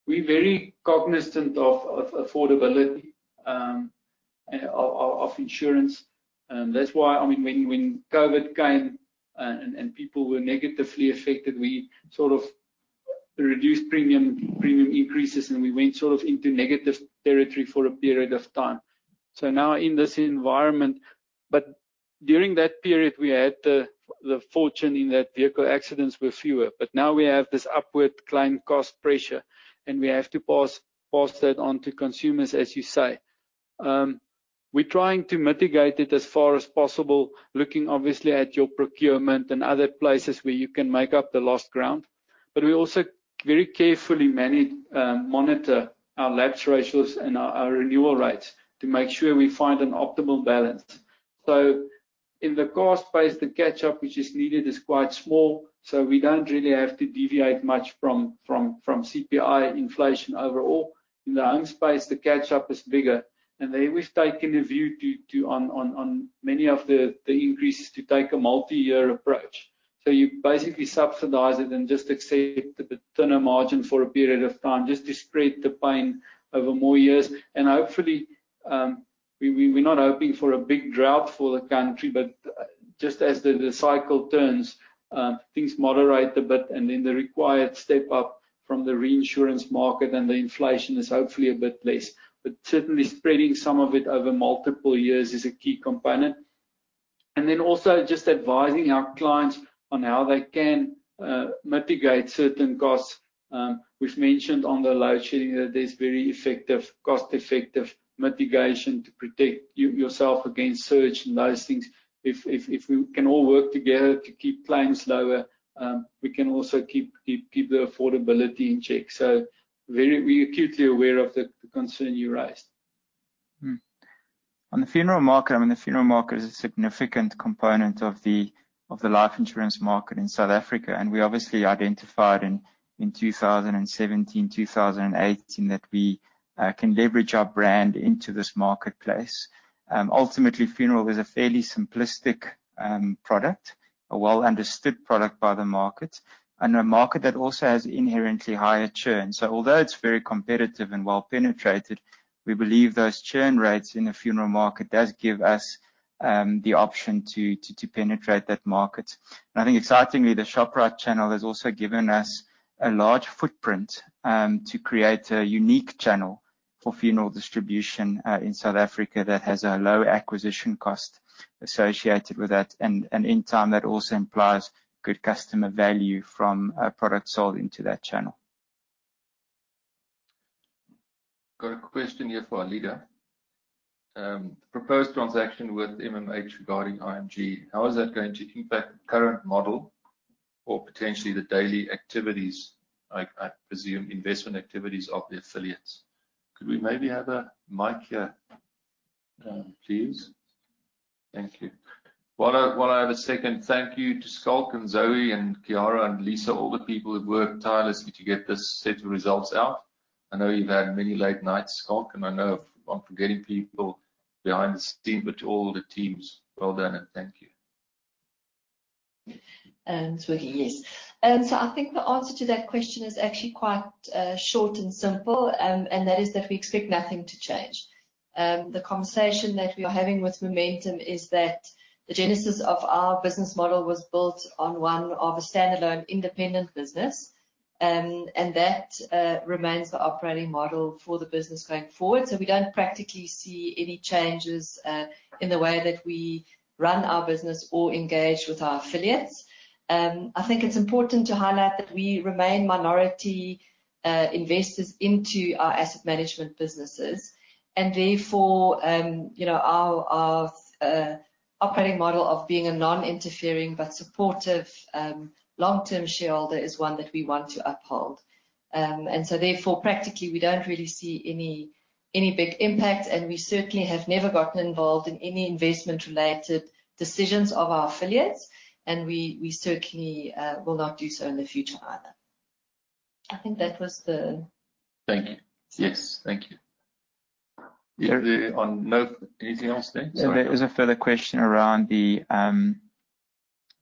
We're very cognizant of affordability of insurance. That's why I mean, when COVID came and people were negatively affected, we sort of reduced premium increases, and we went sort of into negative territory for a period of time. Now in this environment. During that period, we had the fortune that vehicle accidents were fewer. Now we have this upward claim cost pressure, and we have to pass that on to consumers, as you say. We're trying to mitigate it as far as possible, looking obviously at our procurement and other places where we can make up the lost ground. We also very carefully manage, monitor our lapse ratios and our renewal rates to make sure we find an optimal balance. In the cost space, the catch-up which is needed is quite small, so we don't really have to deviate much from CPI inflation overall. In the home space, the catch-up is bigger, and there we've taken a view on many of the increases to take a multi-year approach. You basically subsidize it and just accept the thinner margin for a period of time just to spread the pain over more years. Hopefully, we're not hoping for a big drought for the country, but just as the cycle turns, things moderate a bit and then the required step up from the reinsurance market and the inflation is hopefully a bit less. Certainly spreading some of it over multiple years is a key component. Then also just advising our clients on how they can mitigate certain costs. We've mentioned on the load shedding that there's very effective, cost-effective mitigation to protect yourself against surge and those things. If we can all work together to keep claims lower, we can also keep the affordability in check. We're acutely aware of the concern you raised. On the funeral market, I mean, the funeral market is a significant component of the life insurance market in South Africa, and we obviously identified in 2017, 2018 that we can leverage our brand into this marketplace. Ultimately, funeral is a fairly simplistic product, a well-understood product by the market and a market that also has inherently higher churn. Although it's very competitive and well penetrated, we believe those churn rates in the funeral market does give us the option to penetrate that market. I think excitingly, the Shoprite channel has also given us a large footprint to create a unique channel for funeral distribution in South Africa that has a low acquisition cost associated with that. In time, that also implies good customer value from a product sold into that channel. Got a question here for Alida. The proposed transaction with MMH regarding IMG, how is that going to impact the current model or potentially the daily activities, I presume investment activities of the affiliates? Could we maybe have a mic here, please? Thank you. While I have a second, thank you to Schalk and Zoe and Chiara and Lisa, all the people who've worked tirelessly to get this set of results out. I know you've had many late nights, Schalk, and I know I'm forgetting people behind the scenes, but to all the teams, well done, and thank you. It's working, yes. I think the answer to that question is actually quite short and simple, and that is that we expect nothing to change. The conversation that we are having with Momentum is that the genesis of our business model was built on a standalone independent business, and that remains the operating model for the business going forward. We don't practically see any changes in the way that we run our business or engage with our affiliates. I think it's important to highlight that we remain minority investors into our asset management businesses, and therefore, you know, our operating model of being a non-interfering but supportive long-term shareholder is one that we want to uphold. Therefore, practically, we don't really see any big impact, and we certainly have never gotten involved in any investment-related decisions of our affiliates, and we certainly will not do so in the future either. I think that was the. Thank you. Yes. Thank you. Yeah. On that note, anything else then? Sorry. There is a further question around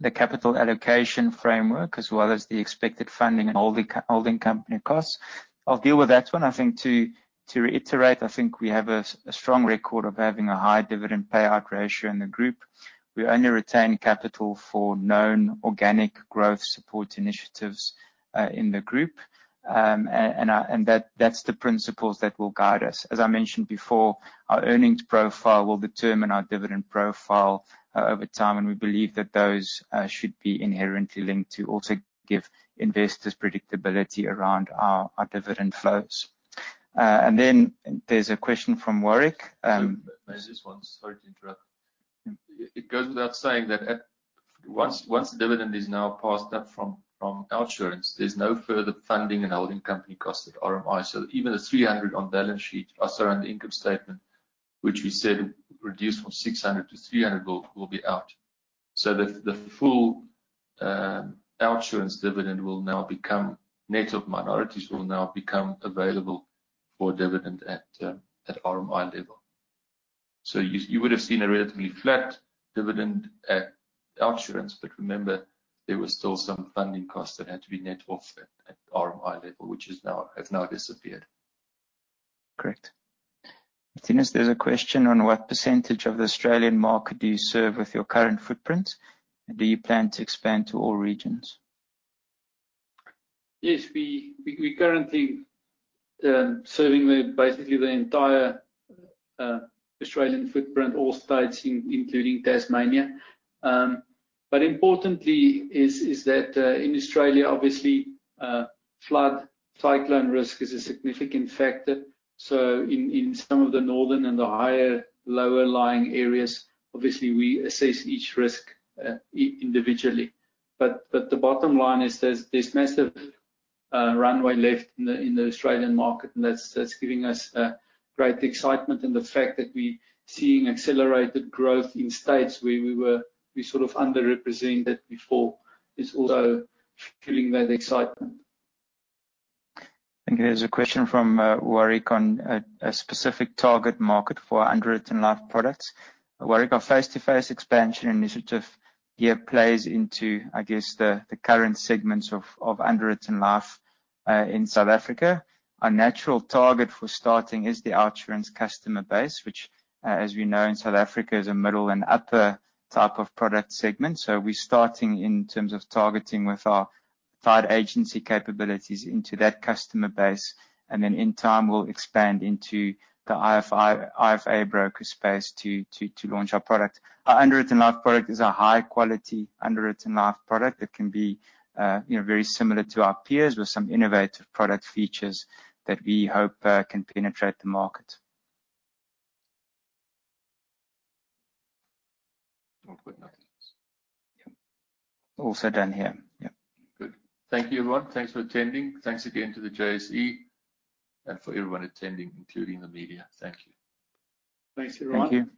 the capital allocation framework as well as the expected funding and holding company costs. I'll deal with that one. I think to reiterate, I think we have a strong record of having a high dividend payout ratio in the group. We only retain capital for known organic growth support initiatives in the group. That that's the principles that will guide us. As I mentioned before, our earnings profile will determine our dividend profile over time, and we believe that those should be inherently linked to also give investors predictability around our dividend flows. There's a question from Warwick. Sorry to interrupt. It goes without saying that once the dividend is now passed up from OUTsurance, there's no further funding and holding company costs at RMI. Even the 300 on the income statement, which we said reduced from 600 to 300 will be out. The full OUTsurance dividend will now become net of minorities, will now become available for dividend at RMI level. You would have seen a relatively flat dividend at OUTsurance, but remember, there was still some funding costs that had to be net off at RMI level, which have now disappeared. Correct. Marthinus, there's a question on what percentage of the Australian market do you serve with your current footprint? Do you plan to expand to all regions? Yes. We currently serve basically the entire Australian footprint, all states including Tasmania. Importantly, that in Australia obviously, flood, cyclone risk is a significant factor. In some of the northern and the higher, lower lying areas, obviously we assess each risk individually. The bottom line is there's massive runway left in the Australian market, and that's giving us great excitement. The fact that we're seeing accelerated growth in states where we were sort of underrepresented before, is also fueling that excitement. Thank you. There's a question from Warwick on a specific target market for underwritten life products. Warwick, our face-to-face expansion initiative here plays into, I guess, the current segments of underwritten life in South Africa. Our natural target for starting is the OUTsurance customer base, which, as we know in South Africa, is a middle and upper type of product segment. We're starting in terms of targeting with our third agency capabilities into that customer base. Then in time, we'll expand into the IFA broker space to launch our product. Our underwritten life product is a high quality underwritten life product that can be, you know, very similar to our peers with some innovative product features that we hope can penetrate the market. We've got nothing else. Yep. Also done here. Yep. Good. Thank you, everyone. Thanks for attending. Thanks again to the JSE and for everyone attending, including the media. Thank you. Thanks, everyone. Thank you.